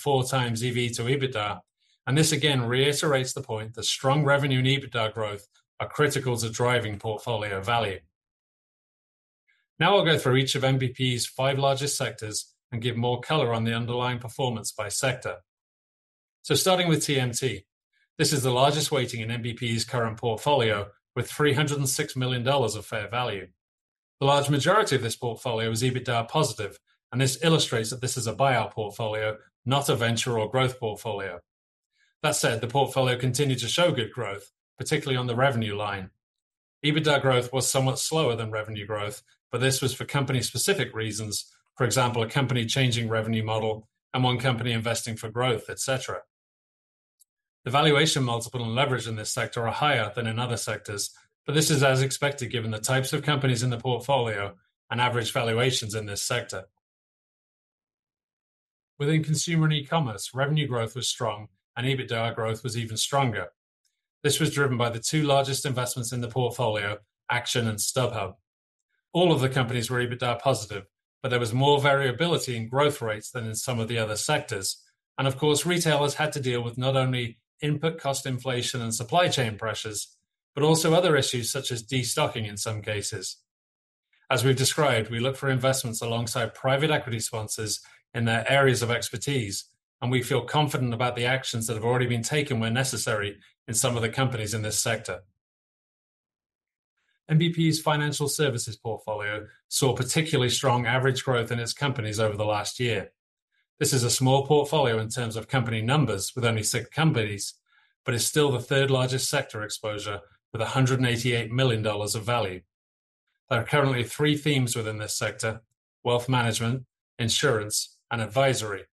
EV/EBITDA, and this again reiterates the point that strong revenue and EBITDA growth are critical to driving portfolio value. Now I'll go through each of NBPE's five largest sectors and give more color on the underlying performance by sector. Starting with TMT, this is the largest weighting in NBPE's current portfolio, with $306 million of fair value. The large majority of this portfolio is EBITDA positive, and this illustrates that this is a buyout portfolio, not a venture or growth portfolio. That said, the portfolio continued to show good growth, particularly on the revenue line. EBITDA growth was somewhat slower than revenue growth, but this was for company-specific reasons. For example, a company changing revenue model and one company investing for growth, et cetera. The valuation, multiple and leverage in this sector are higher than in other sectors, but this is as expected given the types of companies in the portfolio and average valuations in this sector. Within consumer and e-commerce, revenue growth was strong and EBITDA growth was even stronger. This was driven by the two largest investments in the portfolio, Action and StubHub. All of the companies were EBITDA positive, but there was more variability in growth rates than in some of the other sectors. Of course, retailers had to deal with not only input cost inflation and supply chain pressures, but also other issues such as destocking in some cases. As we've described, we look for investments alongside private equity sponsors in their areas of expertise, and we feel confident about the actions that have already been taken where necessary in some of the companies in this sector. NBPE's financial services portfolio saw particularly strong average growth in its companies over the last year. This is a small portfolio in terms of company numbers, with only six companies, but is still the third largest sector exposure with $188 million of value. There are currently three themes within this sector: wealth management, insurance, and advisory.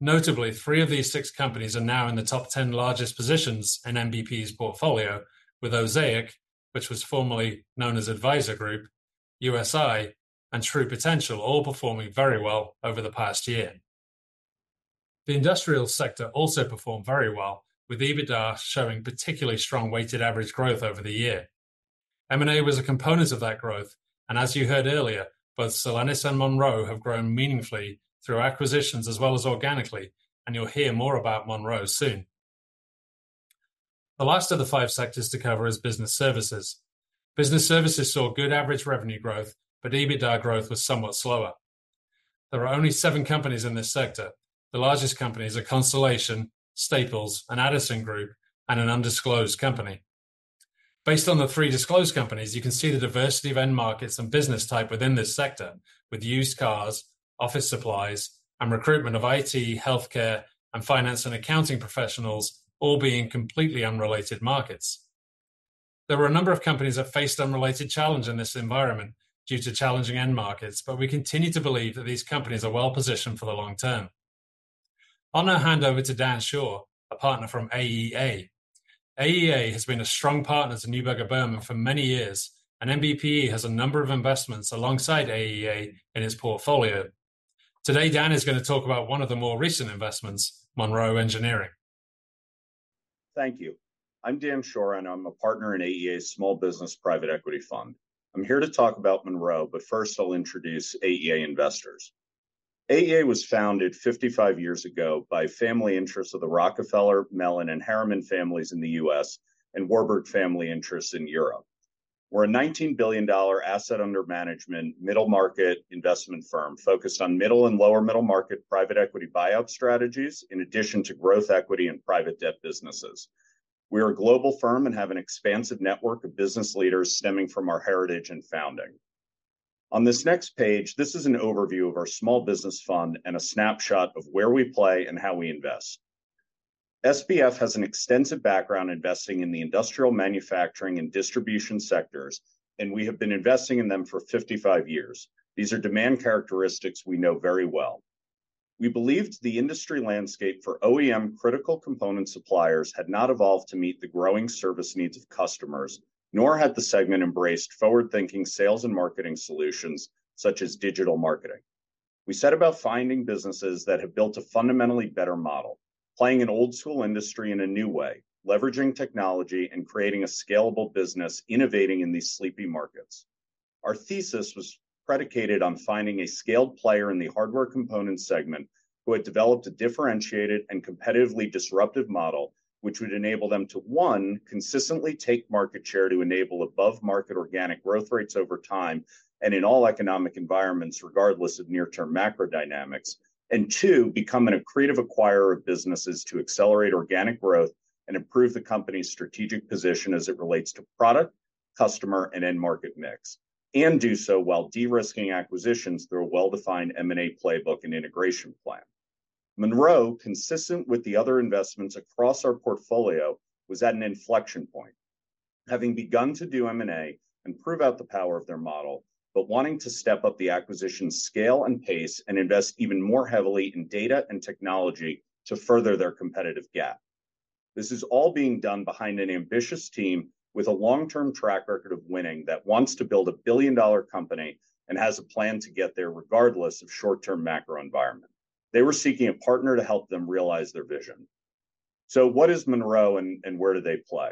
Notably, three of these six companies are now in the top 10 largest positions in NBPE's portfolio, with Osaic, which was formerly known as Advisor Group, USI, and True Potential, all performing very well over the past year. The industrial sector also performed very well, with EBITDA showing particularly strong weighted average growth over the year. M&A was a component of that growth, and as you heard earlier, both Solenis and Monroe have grown meaningfully through acquisitions as well as organically, and you'll hear more about Monroe soon. The last of the five sectors to cover is business services. Business services saw good average revenue growth, but EBITDA growth was somewhat slower. There are only seven companies in this sector. The largest companies are Constellation, Staples, and Addison Group, and an undisclosed company. Based on the three disclosed companies, you can see the diversity of end markets and business type within this sector, with used cars, office supplies, and recruitment of IT, healthcare, and finance and accounting professionals all being completely unrelated markets. There were a number of companies that faced unrelated challenge in this environment due to challenging end markets, but we continue to believe that these companies are well-positioned for the long term. I'll now hand over to Dan Schorr, a partner from AEA. AEA has been a strong partner to Neuberger Berman for many years, and NBPE has a number of investments alongside AEA in its portfolio. Today, Dan is going to talk about one of the more recent investments, Monroe Engineering. Thank you. I'm Dan Schorr, and I'm a partner in AEA Small Business Private Equity Fund. I'm here to talk about Monroe, first, I'll introduce AEA Investors. AEA was founded 55 years ago by family interests of the Rockefeller, Mellon, and Harriman families in the U.S., and Warburg family interests in Europe. We're a $19 billion asset under management, middle-market investment firm focused on middle and lower middle-market private equity buyout strategies, in addition to growth, equity, and private debt businesses. We are a global firm and have an expansive network of business leaders stemming from our heritage and founding. On this next page, this is an overview of our small business fund and a snapshot of where we play and how we invest. SBF has an extensive background investing in the industrial manufacturing and distribution sectors, and we have been investing in them for 55 years. These are demand characteristics we know very well. We believed the industry landscape for OEM critical component suppliers had not evolved to meet the growing service needs of customers, nor had the segment embraced forward-thinking sales and marketing solutions, such as digital marketing. We set about finding businesses that have built a fundamentally better model, playing an old school industry in a new way, leveraging technology and creating a scalable business, innovating in these sleepy markets. Our thesis was predicated on finding a scaled player in the hardware component segment who had developed a differentiated and competitively disruptive model, which would enable them to, one, consistently take market share to enable above-market organic growth rates over time and in all economic environments, regardless of near-term macro dynamics. And two, become an accretive acquirer of businesses to accelerate organic growth and improve the company's strategic position as it relates to product, customer, and end-market mix. And do so while de-risking acquisitions through a well-defined M&A playbook and integration plan. Monroe, consistent with the other investments across our portfolio, was at an inflection point, having begun to do M&A and prove out the power of their model, but wanting to step up the acquisition scale and pace, and invest even more heavily in data and technology to further their competitive gap. This is all being done behind an ambitious team with a long-term track record of winning, that wants to build a billion-dollar company and has a plan to get there regardless of short-term macro environment. They were seeking a partner to help them realize their vision. So what is Monroe and where do they play?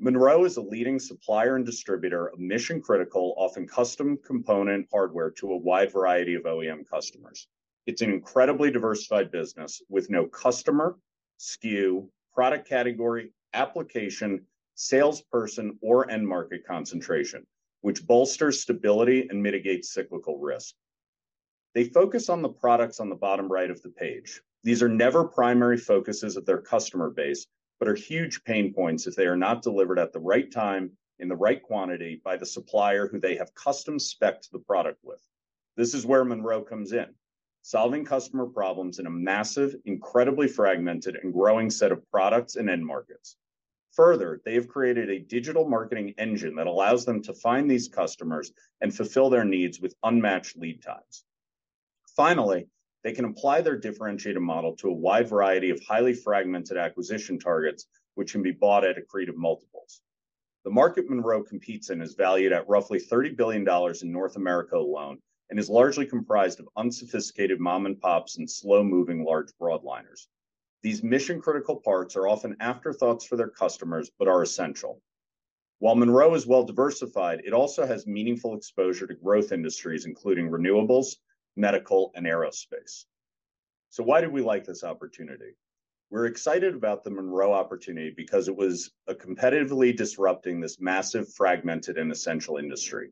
Monroe is a leading supplier and distributor of mission-critical, often custom component hardware to a wide variety of OEM customers. It's an incredibly diversified business with no customer, SKU, product category, application, salesperson, or end-market concentration, which bolsters stability and mitigates cyclical risk. They focus on the products on the bottom right of the page. These are never primary focuses of their customer base, but are huge pain points if they are not delivered at the right time, in the right quantity, by the supplier who they have custom-specced the product with. This is where Monroe comes in, solving customer problems in a massive, incredibly fragmented, and growing set of products and end markets. Further, they have created a digital marketing engine that allows them to find these customers and fulfill their needs with unmatched lead times. Finally, they can apply their differentiated model to a wide variety of highly fragmented acquisition targets, which can be bought at accretive multiples. The market Monroe competes in is valued at roughly $30 billion in North America alone and is largely comprised of unsophisticated mom-and-pops and slow-moving large broadliners. These mission-critical parts are often afterthoughts for their customers but are essential. While Monroe is well-diversified, it also has meaningful exposure to growth industries, including renewables, medical, and aerospace. So why did we like this opportunity? We're excited about the Monroe opportunity because it was competitively disrupting this massive, fragmented, and essential industry.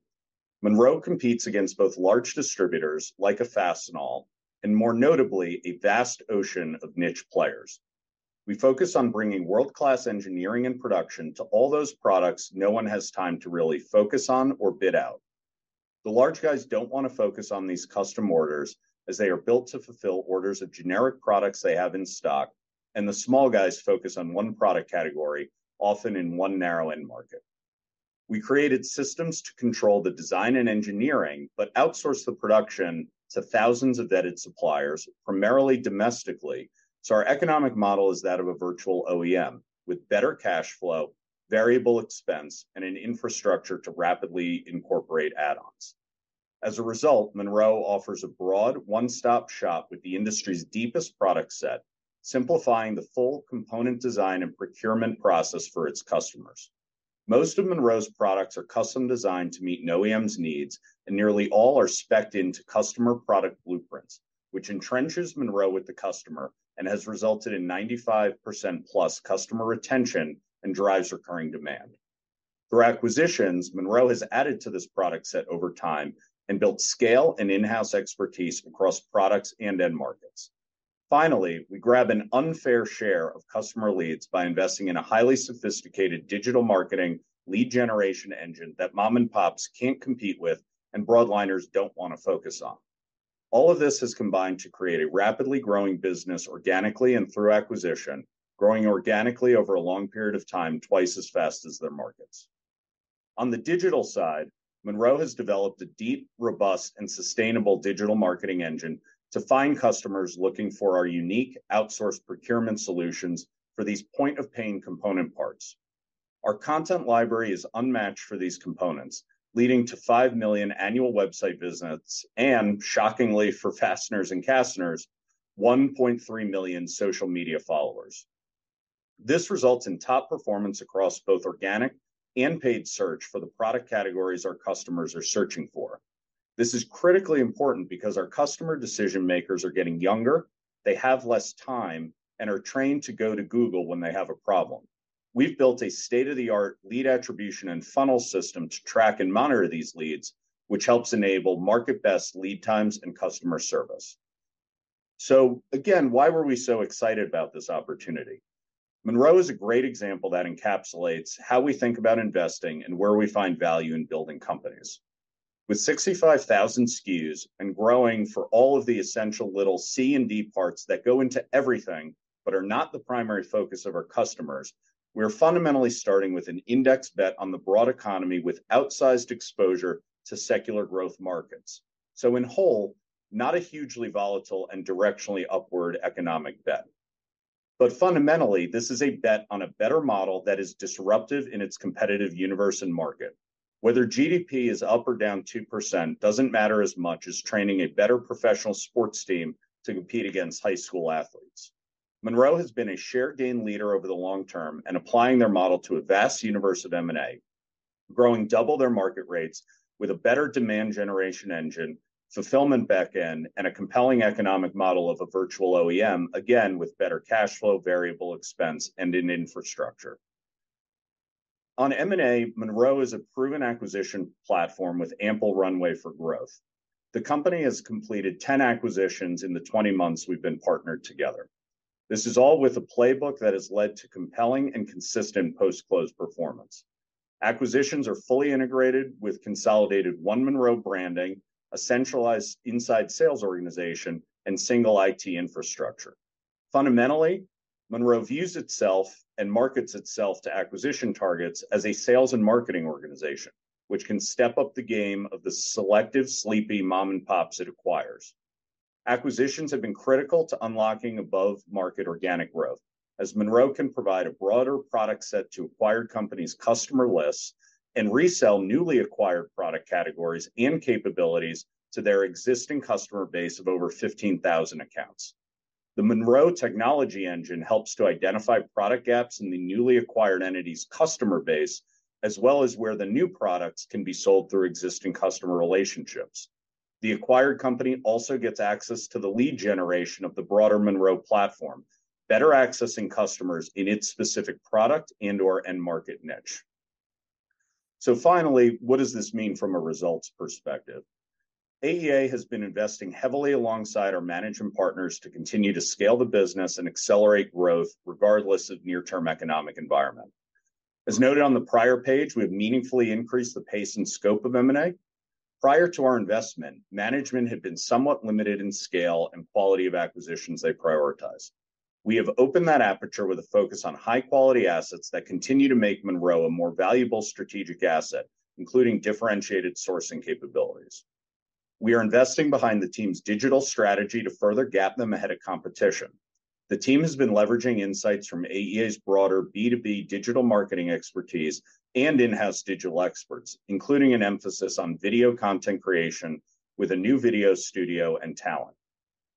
Monroe competes against both large distributors, like a Fastenal, and more notably, a vast ocean of niche players. We focus on bringing world-class engineering and production to all those products no one has time to really focus on or bid out. The large guys don't want to focus on these custom orders, as they are built to fulfill orders of generic products they have in stock, and the small guys focus on one product category, often in one narrow end market. We created systems to control the design and engineering, but outsource the production to thousands of vetted suppliers, primarily domestically. So our economic model is that of a virtual OEM with better cash flow, variable expense, and an infrastructure to rapidly incorporate add-ons. As a result, Monroe offers a broad one-stop shop with the industry's deepest product set, simplifying the full component design and procurement process for its customers. Most of Monroe's products are custom-designed to meet an OEM's needs, and nearly all are specced into customer product blueprints, which entrenches Monroe with the customer and has resulted in 95%+ customer retention and drives recurring demand. Through acquisitions, Monroe has added to this product set over time and built scale and in-house expertise across products and end markets. Finally, we grab an unfair share of customer leads by investing in a highly sophisticated digital marketing lead generation engine that mom-and-pops can't compete with, and broadliners don't want to focus on. All of this has combined to create a rapidly growing business organically and through acquisition, growing organically over a long period of time, twice as fast as their markets. On the digital side, Monroe has developed a deep, robust, and sustainable digital marketing engine to find customers looking for our unique outsourced procurement solutions for these point-of-pain component parts. Our content library is unmatched for these components, leading to five million annual website visits, and shockingly for fasteners and casters, 1.3 million social media followers. This results in top performance across both organic and paid search for the product categories our customers are searching for. This is critically important because our customer decision-makers are getting younger, they have less time, and are trained to go to Google when they have a problem. We've built a state-of-the-art lead attribution and funnel system to track and monitor these leads, which helps enable market-best lead times and customer service. So again, why were we so excited about this opportunity? Monroe is a great example that encapsulates how we think about investing and where we find value in building companies. With 65,000 SKUs and growing for all of the essential little C and D parts that go into everything, but are not the primary focus of our customers, we're fundamentally starting with an index bet on the broad economy with outsized exposure to secular growth markets. So in whole, not a hugely volatile and directionally upward economic bet. But fundamentally, this is a bet on a better model that is disruptive in its competitive universe and market. Whether GDP is up or down 2% doesn't matter as much as training a better professional sports team to compete against high school athletes. Monroe has been a share gain leader over the long term and applying their model to a vast universe of M&A, growing double their market rates with a better demand generation engine, fulfillment back-end, and a compelling economic model of a virtual OEM, again, with better cash flow, variable expense, and an infrastructure. On M&A, Monroe is a proven acquisition platform with ample runway for growth. The company has completed 10 acquisitions in the 20 months we've been partnered together. This is all with a playbook that has led to compelling and consistent post-close performance. Acquisitions are fully integrated with consolidated OneMonroe branding, a centralized inside sales organization, and single IT infrastructure. Fundamentally, Monroe views itself and markets itself to acquisition targets as a sales and marketing organization, which can step up the game of the selective, sleepy mom-and-pops it acquires. Acquisitions have been critical to unlocking above-market organic growth, as Monroe can provide a broader product set to acquired companies' customer lists, and resell newly acquired product categories and capabilities to their existing customer base of over 15,000 accounts. The Monroe technology engine helps to identify product gaps in the newly acquired entity's customer base, as well as where the new products can be sold through existing customer relationships. The acquired company also gets access to the lead generation of the broader Monroe platform, better accessing customers in its specific product and/or end market niche. Finally, what does this mean from a results perspective? AEA has been investing heavily alongside our management partners to continue to scale the business and accelerate growth, regardless of near-term economic environment. As noted on the prior page, we have meaningfully increased the pace and scope of M&A. Prior to our investment, management had been somewhat limited in scale and quality of acquisitions they prioritized. We have opened that aperture with a focus on high-quality assets that continue to make Monroe a more valuable strategic asset, including differentiated sourcing capabilities. We are investing behind the team's digital strategy to further gap them ahead of competition. The team has been leveraging insights from AEA's broader B2B digital marketing expertise and in-house digital experts, including an emphasis on video content creation with a new video studio and talent.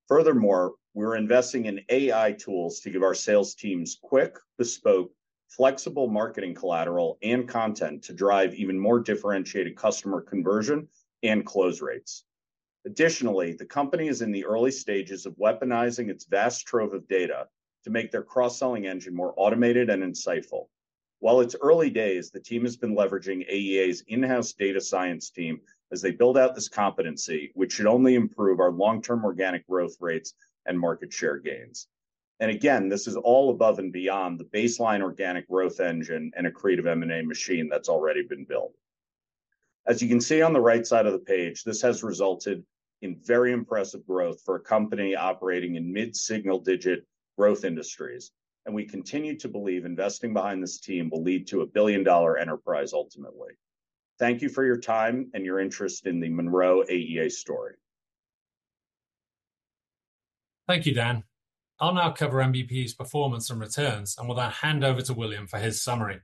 Furthermore, we're investing in AI tools to give our sales teams quick, bespoke, flexible marketing collateral, and content to drive even more differentiated customer conversion and close rates. Additionally, the company is in the early stages of weaponizing its vast trove of data to make their cross-selling engine more automated and insightful. While it's early days, the team has been leveraging AEA's in-house data science team as they build out this competency, which should only improve our long-term organic growth rates and market share gains. And again, this is all above and beyond the baseline organic growth engine and accretive M&A machine that's already been built. As you can see on the right side of the page, this has resulted in very impressive growth for a company operating in mid-single-digit growth industries, and we continue to believe investing behind this team will lead to a billion-dollar enterprise, ultimately. Thank you for your time and your interest in the Monroe AEA story. Thank you, Dan. I'll now cover NBPE's performance and returns, and with that, hand over to William for his summary.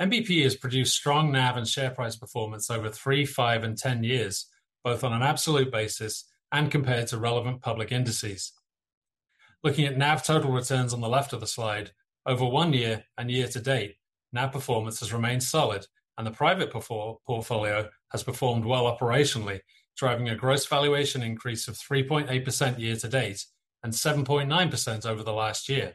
NBPE has produced strong NAV and share price performance over three, five, and ten years, both on an absolute basis and compared to relevant public indices. Looking at NAV total returns on the left of the slide, over one year and year to date, NAV performance has remained solid, and the private portfolio has performed well operationally, driving a gross valuation increase of 3.8% year to date and 7.9% over the last year.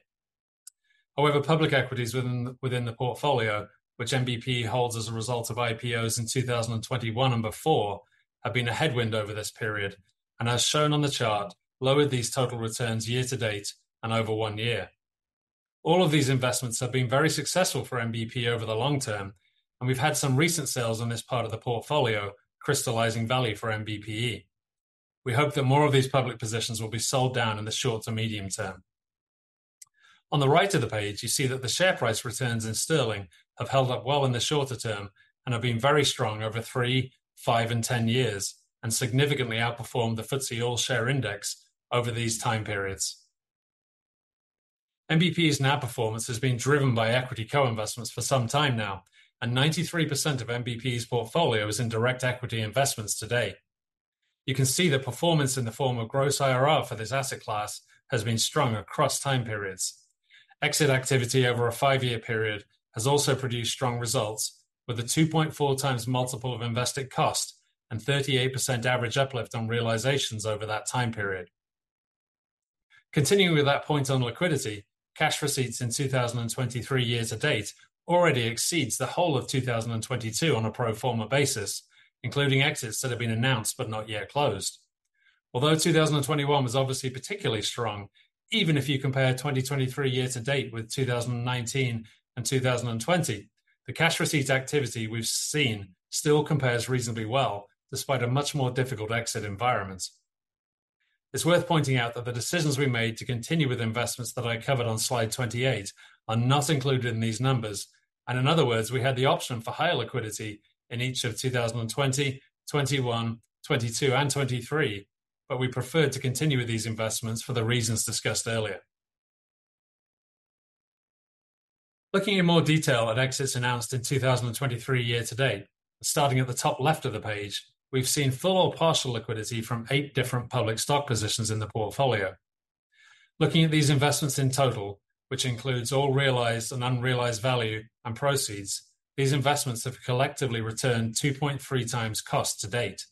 However, public equities within, within the portfolio, which NBPE holds as a result of IPOs in 2021 and before, have been a headwind over this period, and as shown on the chart, lowered these total returns year to date and over one year. All of these investments have been very successful for NBPE over the long term, and we've had some recent sales on this part of the portfolio, crystallizing value for NBPE. We hope that more of these public positions will be sold down in the short to medium term. On the right of the page, you see that the share price returns in sterling have held up well in the shorter term and have been very strong over three, five, and 10 years, and significantly outperformed the FTSE All-Share Index over these time periods. NBPE's NAV performance has been driven by equity co-investments for some time now, and 93% of NBPE's portfolio is in direct equity investments today. You can see the performance in the form of gross IRR for this asset class has been strong across time periods. Exit activity over a five-year period has also produced strong results, with a 2.4x multiple of invested cost and 38% average uplift on realizations over that time period. Continuing with that point on liquidity, cash receipts in 2023 year to date already exceeds the whole of 2022 on a pro forma basis, including exits that have been announced but not yet closed. Although 2021 was obviously particularly strong, even if you compare 2023 year to date with 2019 and 2020, the cash receipt activity we've seen still compares reasonably well, despite a much more difficult exit environment. It's worth pointing out that the decisions we made to continue with investments that I covered on slide 28 are not included in these numbers. In other words, we had the option for higher liquidity in each of 2020, 2021, 2022, and 2023, but we preferred to continue with these investments for the reasons discussed earlier. Looking in more detail at exits announced in 2023 year to date, starting at the top left of the page, we've seen full or partial liquidity from eight different public stock positions in the portfolio. Looking at these investments in total, which includes all realized and unrealized value and proceeds, these investments have collectively returned 2.3x cost to date.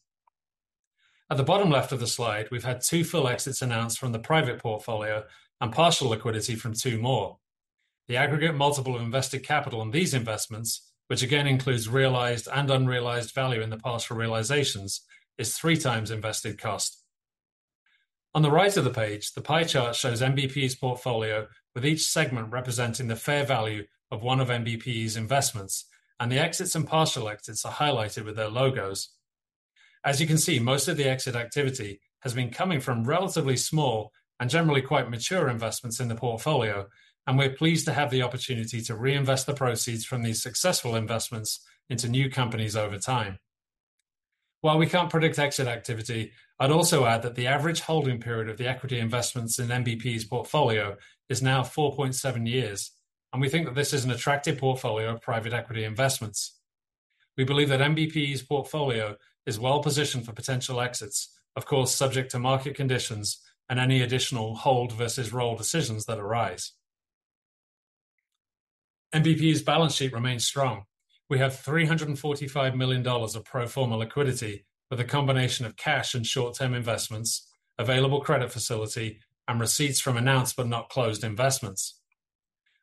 At the bottom left of the slide, we've had two full exits announced from the private portfolio and partial liquidity from two more. The aggregate multiple of invested capital in these investments, which again includes realized and unrealized value in the partial realizations, is 3x invested cost. On the right of the page, the pie chart shows NBPE's portfolio, with each segment representing the fair value of one of NBPE's investments, and the exits and partial exits are highlighted with their logos. As you can see, most of the exit activity has been coming from relatively small and generally quite mature investments in the portfolio, and we're pleased to have the opportunity to reinvest the proceeds from these successful investments into new companies over time. While we can't predict exit activity, I'd also add that the average holding period of the equity investments in NBPE's portfolio is now 4.7 years, and we think that this is an attractive portfolio of private equity investments. We believe that NBPE's portfolio is well positioned for potential exits, of course, subject to market conditions and any additional hold versus roll decisions that arise. NBPE's balance sheet remains strong. We have $345 million of pro forma liquidity, with a combination of cash and short-term investments, available credit facility and receipts from announced but not closed investments.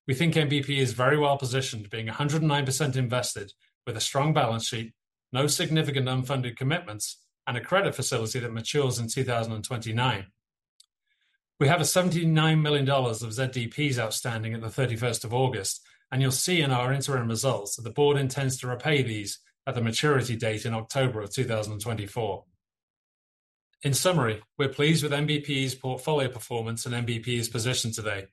We think NBPE is very well positioned, being 109% invested with a strong balance sheet, no significant unfunded commitments, and a credit facility that matures in 2029. We have $79 million of ZDPs outstanding at August 31, and you'll see in our interim results that the board intends to repay these at the maturity date in October 2024. In summary, we're pleased with NBPE's portfolio performance and NBPE's position today.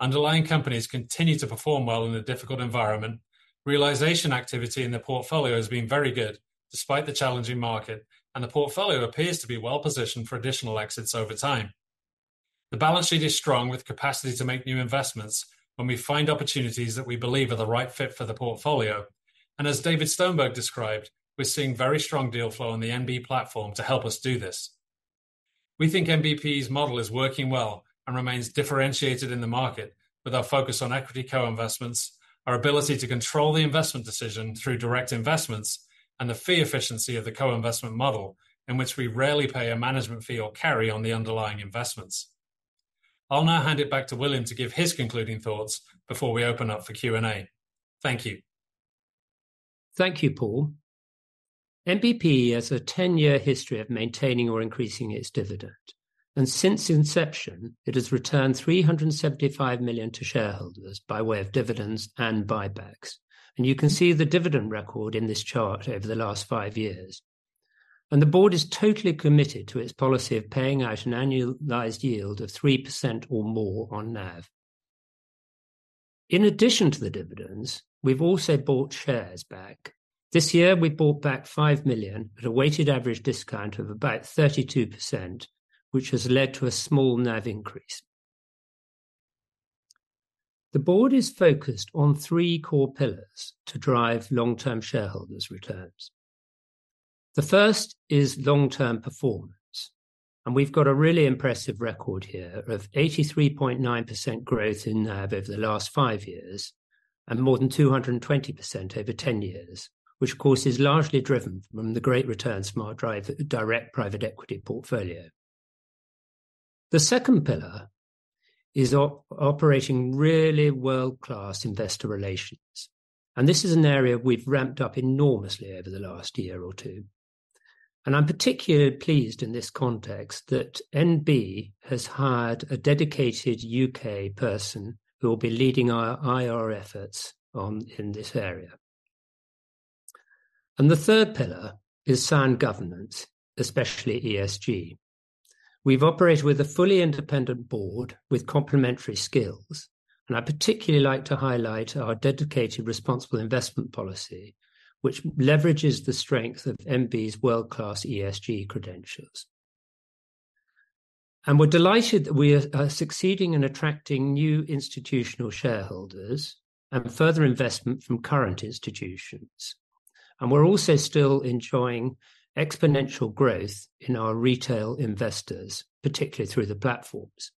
Underlying companies continue to perform well in a difficult environment. Realization activity in the portfolio has been very good despite the challenging market, and the portfolio appears to be well positioned for additional exits over time. The balance sheet is strong, with capacity to make new investments when we find opportunities that we believe are the right fit for the portfolio. And as David Stonberg described, we're seeing very strong deal flow on the NB platform to help us do this. We think NBPE's model is working well and remains differentiated in the market with our focus on equity co-investments, our ability to control the investment decision through direct investments, and the fee efficiency of the co-investment model, in which we rarely pay a management fee or carry on the underlying investments. I'll now hand it back to William to give his concluding thoughts before we open up for Q&A. Thank you. Thank you, Paul. NBPE has a 10-year history of maintaining or increasing its dividend, and since inception, it has returned $375 million to shareholders by way of dividends and buybacks. You can see the dividend record in this chart over the last 5 years. The board is totally committed to its policy of paying out an annualized yield of 3% or more on NAV. In addition to the dividends, we've also bought shares back. This year, we bought back 5 million at a weighted average discount of about 32%, which has led to a small NAV increase. The board is focused on 3 core pillars to drive long-term shareholders' returns. The first is long-term performance, and we've got a really impressive record here of 83.9% growth in NAV over the last 5 years.... and more than 220% over 10 years, which of course, is largely driven from the great return SmartDrive, direct private equity portfolio. The second pillar is operating really world-class investor relations, and this is an area we've ramped up enormously over the last year or two. I'm particularly pleased in this context that NB has hired a dedicated U.K. person who will be leading our IR efforts in this area. The third pillar is sound governance, especially ESG. We've operated with a fully independent board with complementary skills, and I'd particularly like to highlight our dedicated responsible investment policy, which leverages the strength of NB's world-class ESG credentials. We're delighted that we are succeeding in attracting new institutional shareholders and further investment from current institutions. We're also still enjoying exponential growth in our retail investors, particularly through the platforms.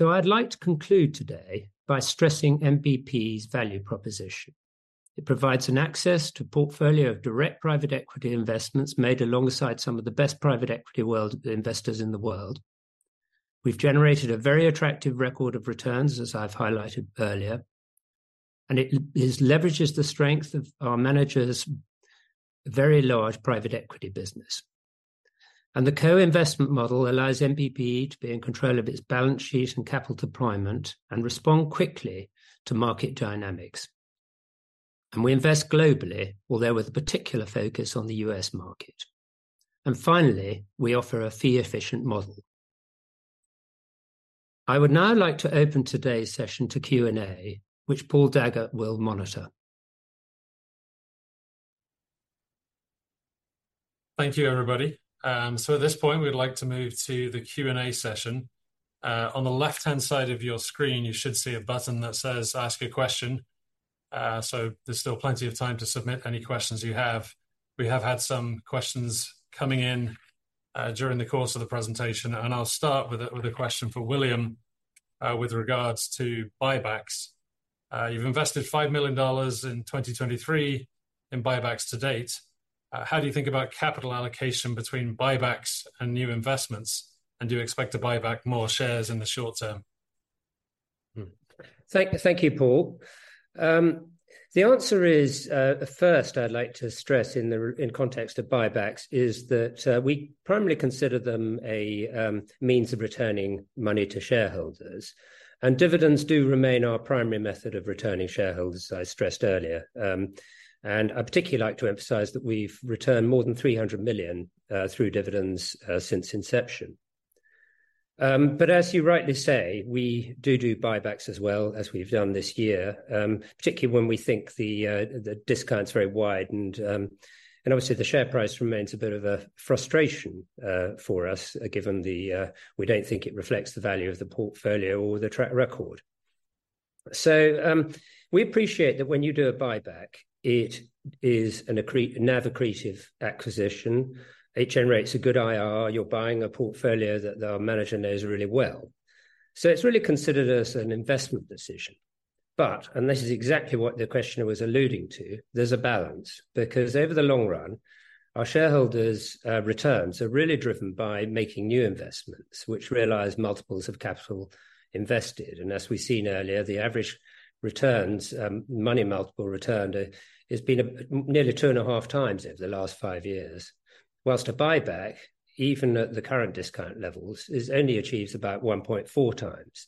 I'd like to conclude today by stressing NBPE's value proposition. It provides an access to portfolio of direct private equity investments made alongside some of the best private equity world, investors in the world. We've generated a very attractive record of returns, as I've highlighted earlier, and it leverages the strength of our managers' very large private equity business. The co-investment model allows NBPE to be in control of its balance sheet and capital deployment and respond quickly to market dynamics. We invest globally, although with a particular focus on the U.S. market. Finally, we offer a fee-efficient model. I would now like to open today's session to Q&A, which Paul Daggett will monitor. Thank you, everybody. So at this point, we'd like to move to the Q&A session. On the left-hand side of your screen, you should see a button that says, "Ask a question." So there's still plenty of time to submit any questions you have. We have had some questions coming in during the course of the presentation, and I'll start with a question for William with regards to buybacks. You've invested $5 million in 2023 in buybacks to date. How do you think about capital allocation between buybacks and new investments? And do you expect to buy back more shares in the short term? Thank you, Paul. The answer is, first, I'd like to stress in the context of buybacks, is that we primarily consider them a means of returning money to shareholders. Dividends do remain our primary method of returning shareholders, as I stressed earlier. I'd particularly like to emphasize that we've returned more than $300 million through dividends since inception. But as you rightly say, we do do buybacks as well, as we've done this year, particularly when we think the discount's very wide. Obviously, the share price remains a bit of a frustration for us, given the... we don't think it reflects the value of the portfolio or the track record. We appreciate that when you do a buyback, it is an accretive acquisition. It generates a good IRR. You're buying a portfolio that our manager knows really well. So it's really considered as an investment decision. But, and this is exactly what the questioner was alluding to, there's a balance. Because over the long run, our shareholders' returns are really driven by making new investments, which realize multiples of capital invested. And as we've seen earlier, the average returns, money multiple return, has been nearly 2.5x over the last five years. While a buyback, even at the current discount levels, is only achieves about 1.4x.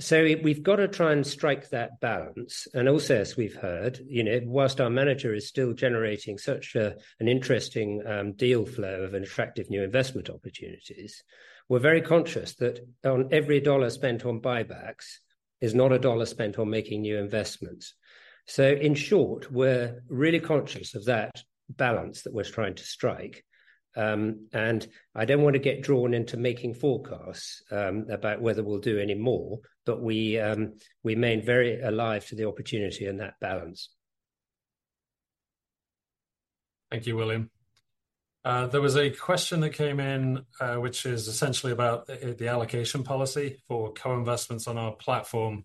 So we've got to try and strike that balance. And also, as we've heard, you know, whilst our manager is still generating such a, an interesting, deal flow of attractive new investment opportunities, we're very conscious that on every dollar spent on buybacks is not a dollar spent on making new investments. So in short, we're really conscious of that balance that we're trying to strike. And I don't want to get drawn into making forecasts, about whether we'll do any more, but we, we remain very alive to the opportunity and that balance. Thank you, William. There was a question that came in, which is essentially about the allocation policy for co-investments on our platform,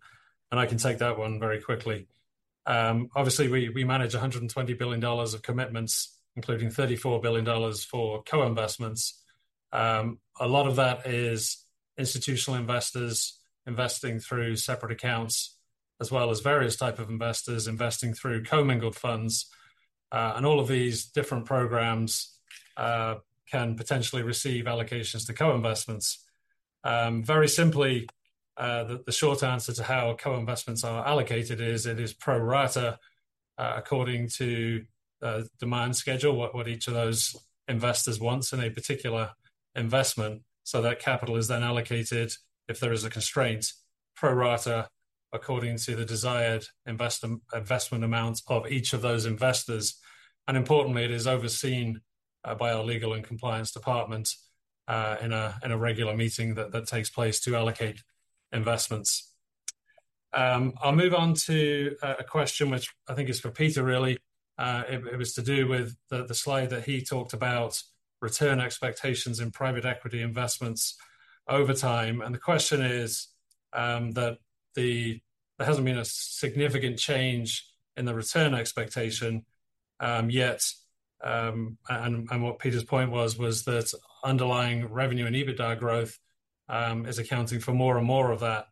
and I can take that one very quickly. Obviously, we manage $120 billion of commitments, including $34 billion for co-investments. A lot of that is institutional investors investing through separate accounts, as well as various type of investors investing through commingled funds. And all of these different programs can potentially receive allocations to co-investments. Very simply, the short answer to how co-investments are allocated is, it is pro rata, according to demand schedule, what each of those investors wants in a particular investment. So that capital is then allocated, if there is a constraint, pro rata, according to the desired investment amounts of each of those investors. Importantly, it is overseen by our legal and compliance department in a regular meeting that takes place to allocate investments. I'll move on to a question which I think is for Peter, really. It was to do with the slide that he talked about, return expectations in private equity investments over time. The question is that there hasn't been a significant change in the return expectation yet. And what Peter's point was was that underlying revenue and EBITDA growth is accounting for more and more of that,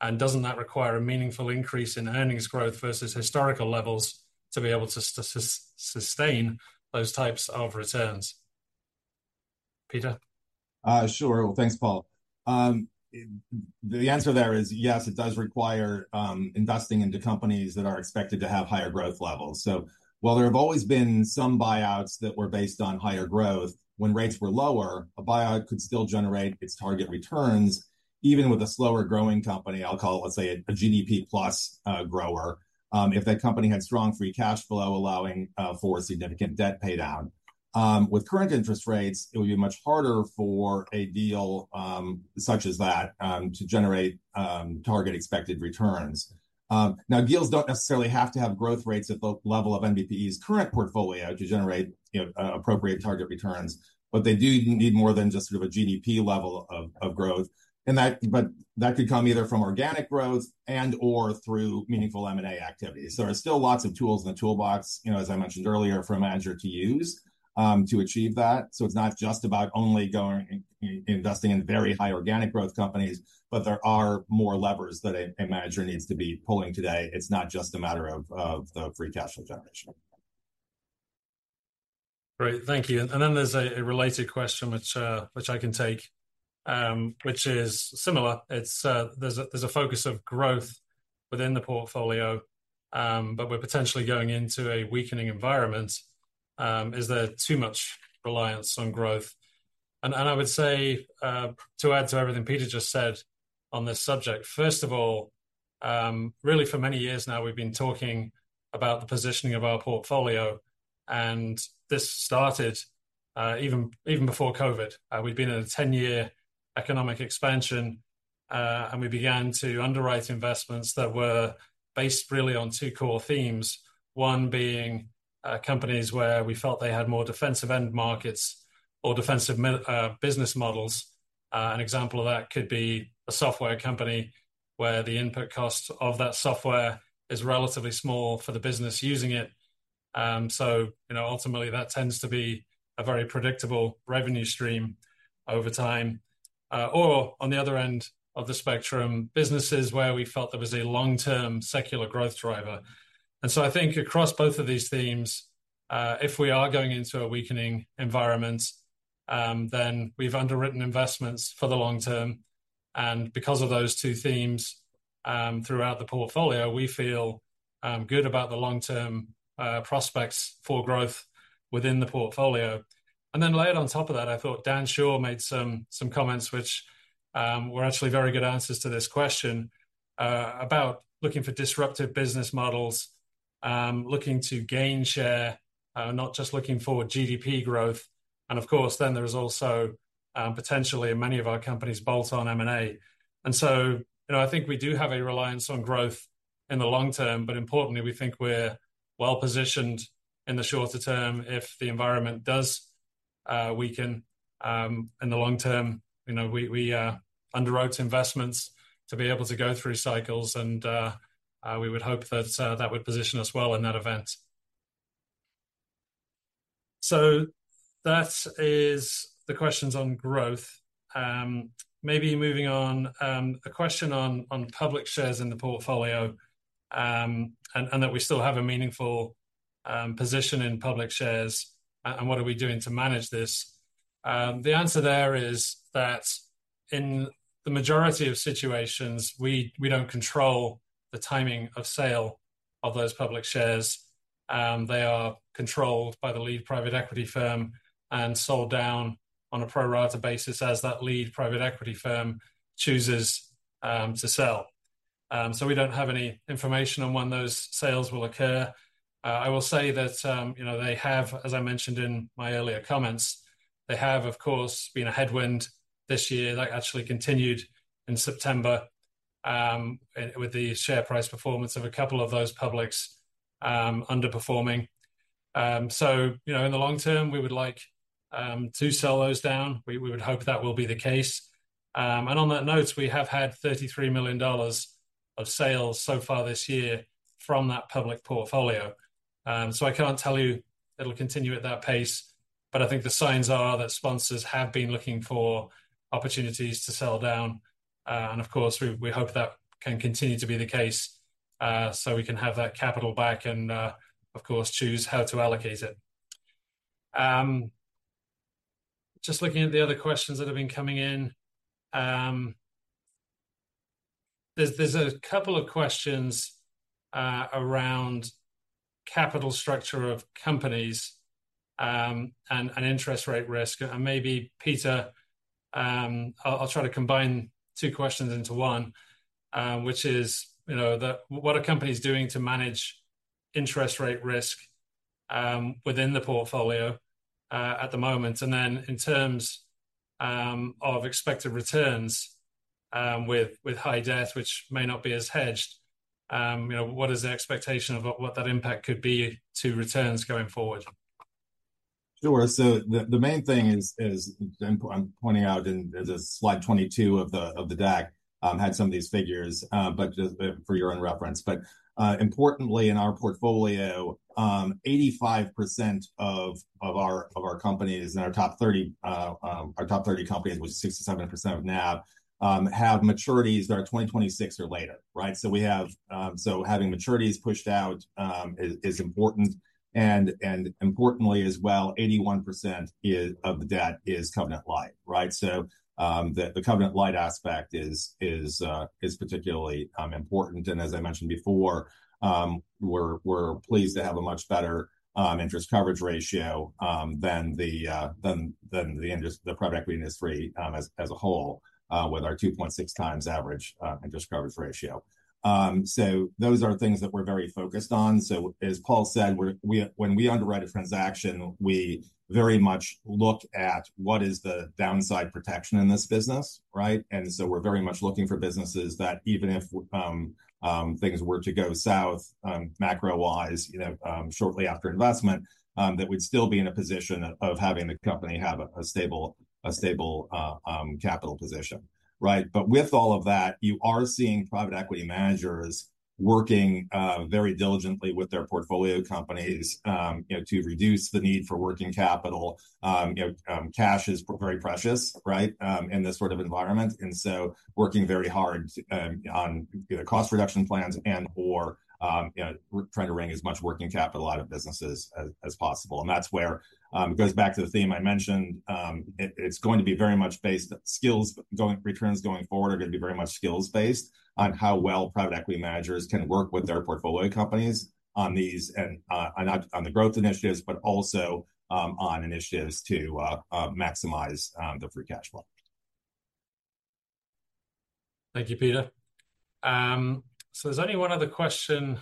and doesn't that require a meaningful increase in earnings growth versus historical levels to be able to sustain those types of returns? Peter? Sure. Well, thanks, Paul. The answer there is yes, it does require investing into companies that are expected to have higher growth levels. So while there have always been some buyouts that were based on higher growth, when rates were lower, a buyout could still generate its target returns even with a slower growing company, I'll call it, let's say, a GDP plus grower, if that company had strong free cash flow, allowing for significant debt paydown. With current interest rates, it would be much harder for a deal such as that to generate target expected returns. Now, deals don't necessarily have to have growth rates at the level of NBPE's current portfolio to generate, you know, appropriate target returns, but they do need more than just sort of a GDP level of growth. But that could come either from organic growth and/or through meaningful M&A activities. There are still lots of tools in the toolbox, you know, as I mentioned earlier, for a manager to use, to achieve that. So it's not just about only going and investing in very high organic growth companies, but there are more levers that a manager needs to be pulling today. It's not just a matter of the free cash flow generation. Great, thank you. And then there's a related question, which I can take, which is similar. It's, there's a focus of growth within the portfolio, but we're potentially going into a weakening environment. Is there too much reliance on growth? And I would say, to add to everything Peter just said on this subject, first of all, really, for many years now, we've been talking about the positioning of our portfolio, and this started even before COVID. We'd been in a ten-year economic expansion, and we began to underwrite investments that were based really on two core themes. One being companies where we felt they had more defensive end markets or defensive business models. An example of that could be a software company, where the input cost of that software is relatively small for the business using it. So, you know, ultimately, that tends to be a very predictable revenue stream over time. Or on the other end of the spectrum, businesses where we felt there was a long-term secular growth driver. And so I think across both of these themes, if we are going into a weakening environment, then we've underwritten investments for the long term. And because of those two themes, throughout the portfolio, we feel good about the long-term prospects for growth within the portfolio. And then layered on top of that, I thought Dan Schorr made some comments which were actually very good answers to this question about looking for disruptive business models, looking to gain share, not just looking for GDP growth. And of course, then there is also potentially in many of our companies, bolt-on M&A. And so, you know, I think we do have a reliance on growth in the long term, but importantly, we think we're well positioned in the shorter term if the environment does weaken. In the long term, you know, we underwrote investments to be able to go through cycles and we would hope that that would position us well in that event. So that is the questions on growth. Maybe moving on, a question on public shares in the portfolio and that we still have a meaningful position in public shares and what are we doing to manage this? The answer there is that in the majority of situations, we don't control the timing of sale of those public shares. They are controlled by the lead private equity firm and sold down on a pro rata basis as that lead private equity firm chooses to sell. So we don't have any information on when those sales will occur. I will say that, you know, they have, as I mentioned in my earlier comments, they have, of course, been a headwind this year that actually continued in September and with the share price performance of a couple of those publics underperforming. So, you know, in the long term, we would like to sell those down. We, we would hope that will be the case. And on that note, we have had $33 million of sales so far this year from that public portfolio. So I cannot tell you it'll continue at that pace, but I think the signs are that sponsors have been looking for opportunities to sell down. And of course, we, we hope that can continue to be the case, so we can have that capital back and, of course, choose how to allocate it. Just looking at the other questions that have been coming in, there's, there's a couple of questions around capital structure of companies, and, and interest rate risk. And maybe, Peter, I'll try to combine two questions into one, which is, you know, what are companies doing to manage interest rate risk within the portfolio at the moment? And then in terms of expected returns with high debt, which may not be as hedged. You know, what is the expectation of what that impact could be to returns going forward? Sure. So the main thing is, and I'm pointing out in the slide 22 of the deck, had some of these figures, but just for your own reference. But importantly, in our portfolio, 85% of our companies in our top 30 companies, which is 67% of NAV, have maturities that are 2026 or later, right? So having maturities pushed out is important. And importantly as well, 81% of the debt is covenant-light, right? So the covenant-light aspect is particularly important. And as I mentioned before, we're pleased to have a much better interest coverage ratio than the private equity industry as a whole with our 2.6x average interest coverage ratio. So those are things that we're very focused on. So as Paul said, we, when we underwrite a transaction, we very much look at what is the downside protection in this business, right? And so we're very much looking for businesses that even if things were to go south macro-wise, you know, shortly after investment, that we'd still be in a position of having the company have a stable capital position, right? But with all of that, you are seeing private equity managers working very diligently with their portfolio companies, you know, to reduce the need for working capital. You know, cash is very precious, right, in this sort of environment, and so we're working very hard on either cost reduction plans and/or, you know, trying to wring as much working capital out of businesses as possible. And that's where it goes back to the theme I mentioned. It, it's going to be very much based on skills. Returns going forward are going to be very much skills-based on how well private equity managers can work with their portfolio companies on these and on the growth initiatives, but also on initiatives to maximize the free cash flow. Thank you, Peter. So there's only one other question,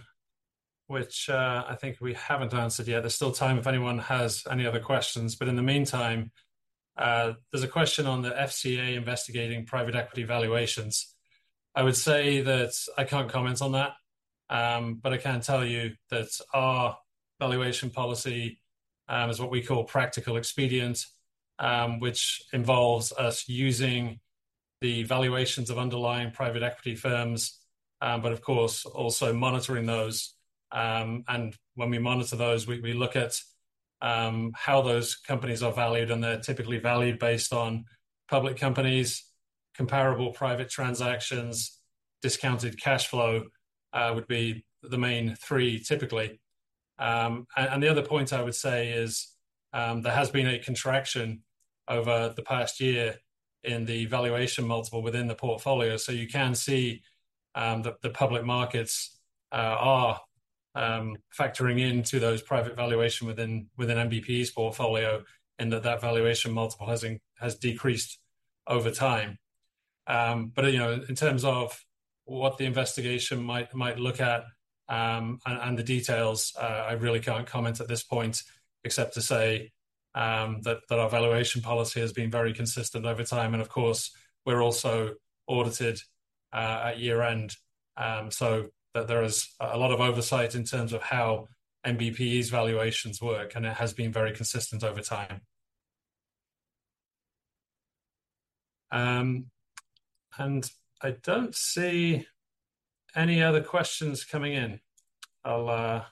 which, I think we haven't answered yet. There's still time if anyone has any other questions. But in the meantime, there's a question on the FCA investigating private equity valuations. I would say that I can't comment on that, but I can tell you that our valuation policy is what we call practical expedient, which involves us using the valuations of underlying private equity firms, but of course, also monitoring those. And when we monitor those, we look at how those companies are valued, and they're typically valued based on public companies, comparable private transactions, discounted cash flow, would be the main three, typically. And the other point I would say is, there has been a contraction over the past year in the valuation multiple within the portfolio. So you can see, the public markets are factoring into those private valuation within NBPE's portfolio, and that valuation multiple has decreased over time. But you know, in terms of what the investigation might look at, and the details, I really can't comment at this point, except to say, that our valuation policy has been very consistent over time. And of course, we're also audited at year-end, so that there is a lot of oversight in terms of how NBPE's valuations work, and it has been very consistent over time. And I don't see any other questions coming in. I'll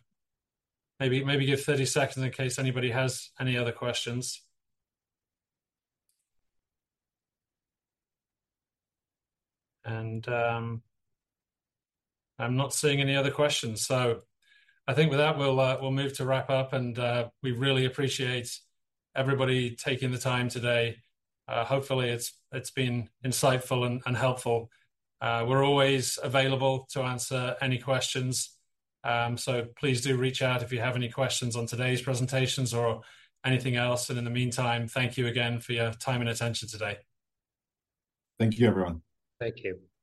maybe give 30 seconds in case anybody has any other questions. And I'm not seeing any other questions. So I think with that, we'll move to wrap up, and we really appreciate everybody taking the time today. Hopefully, it's been insightful and helpful. We're always available to answer any questions, so please do reach out if you have any questions on today's presentations or anything else. And in the meantime, thank you again for your time and attention today. Thank you, everyone. Thank you.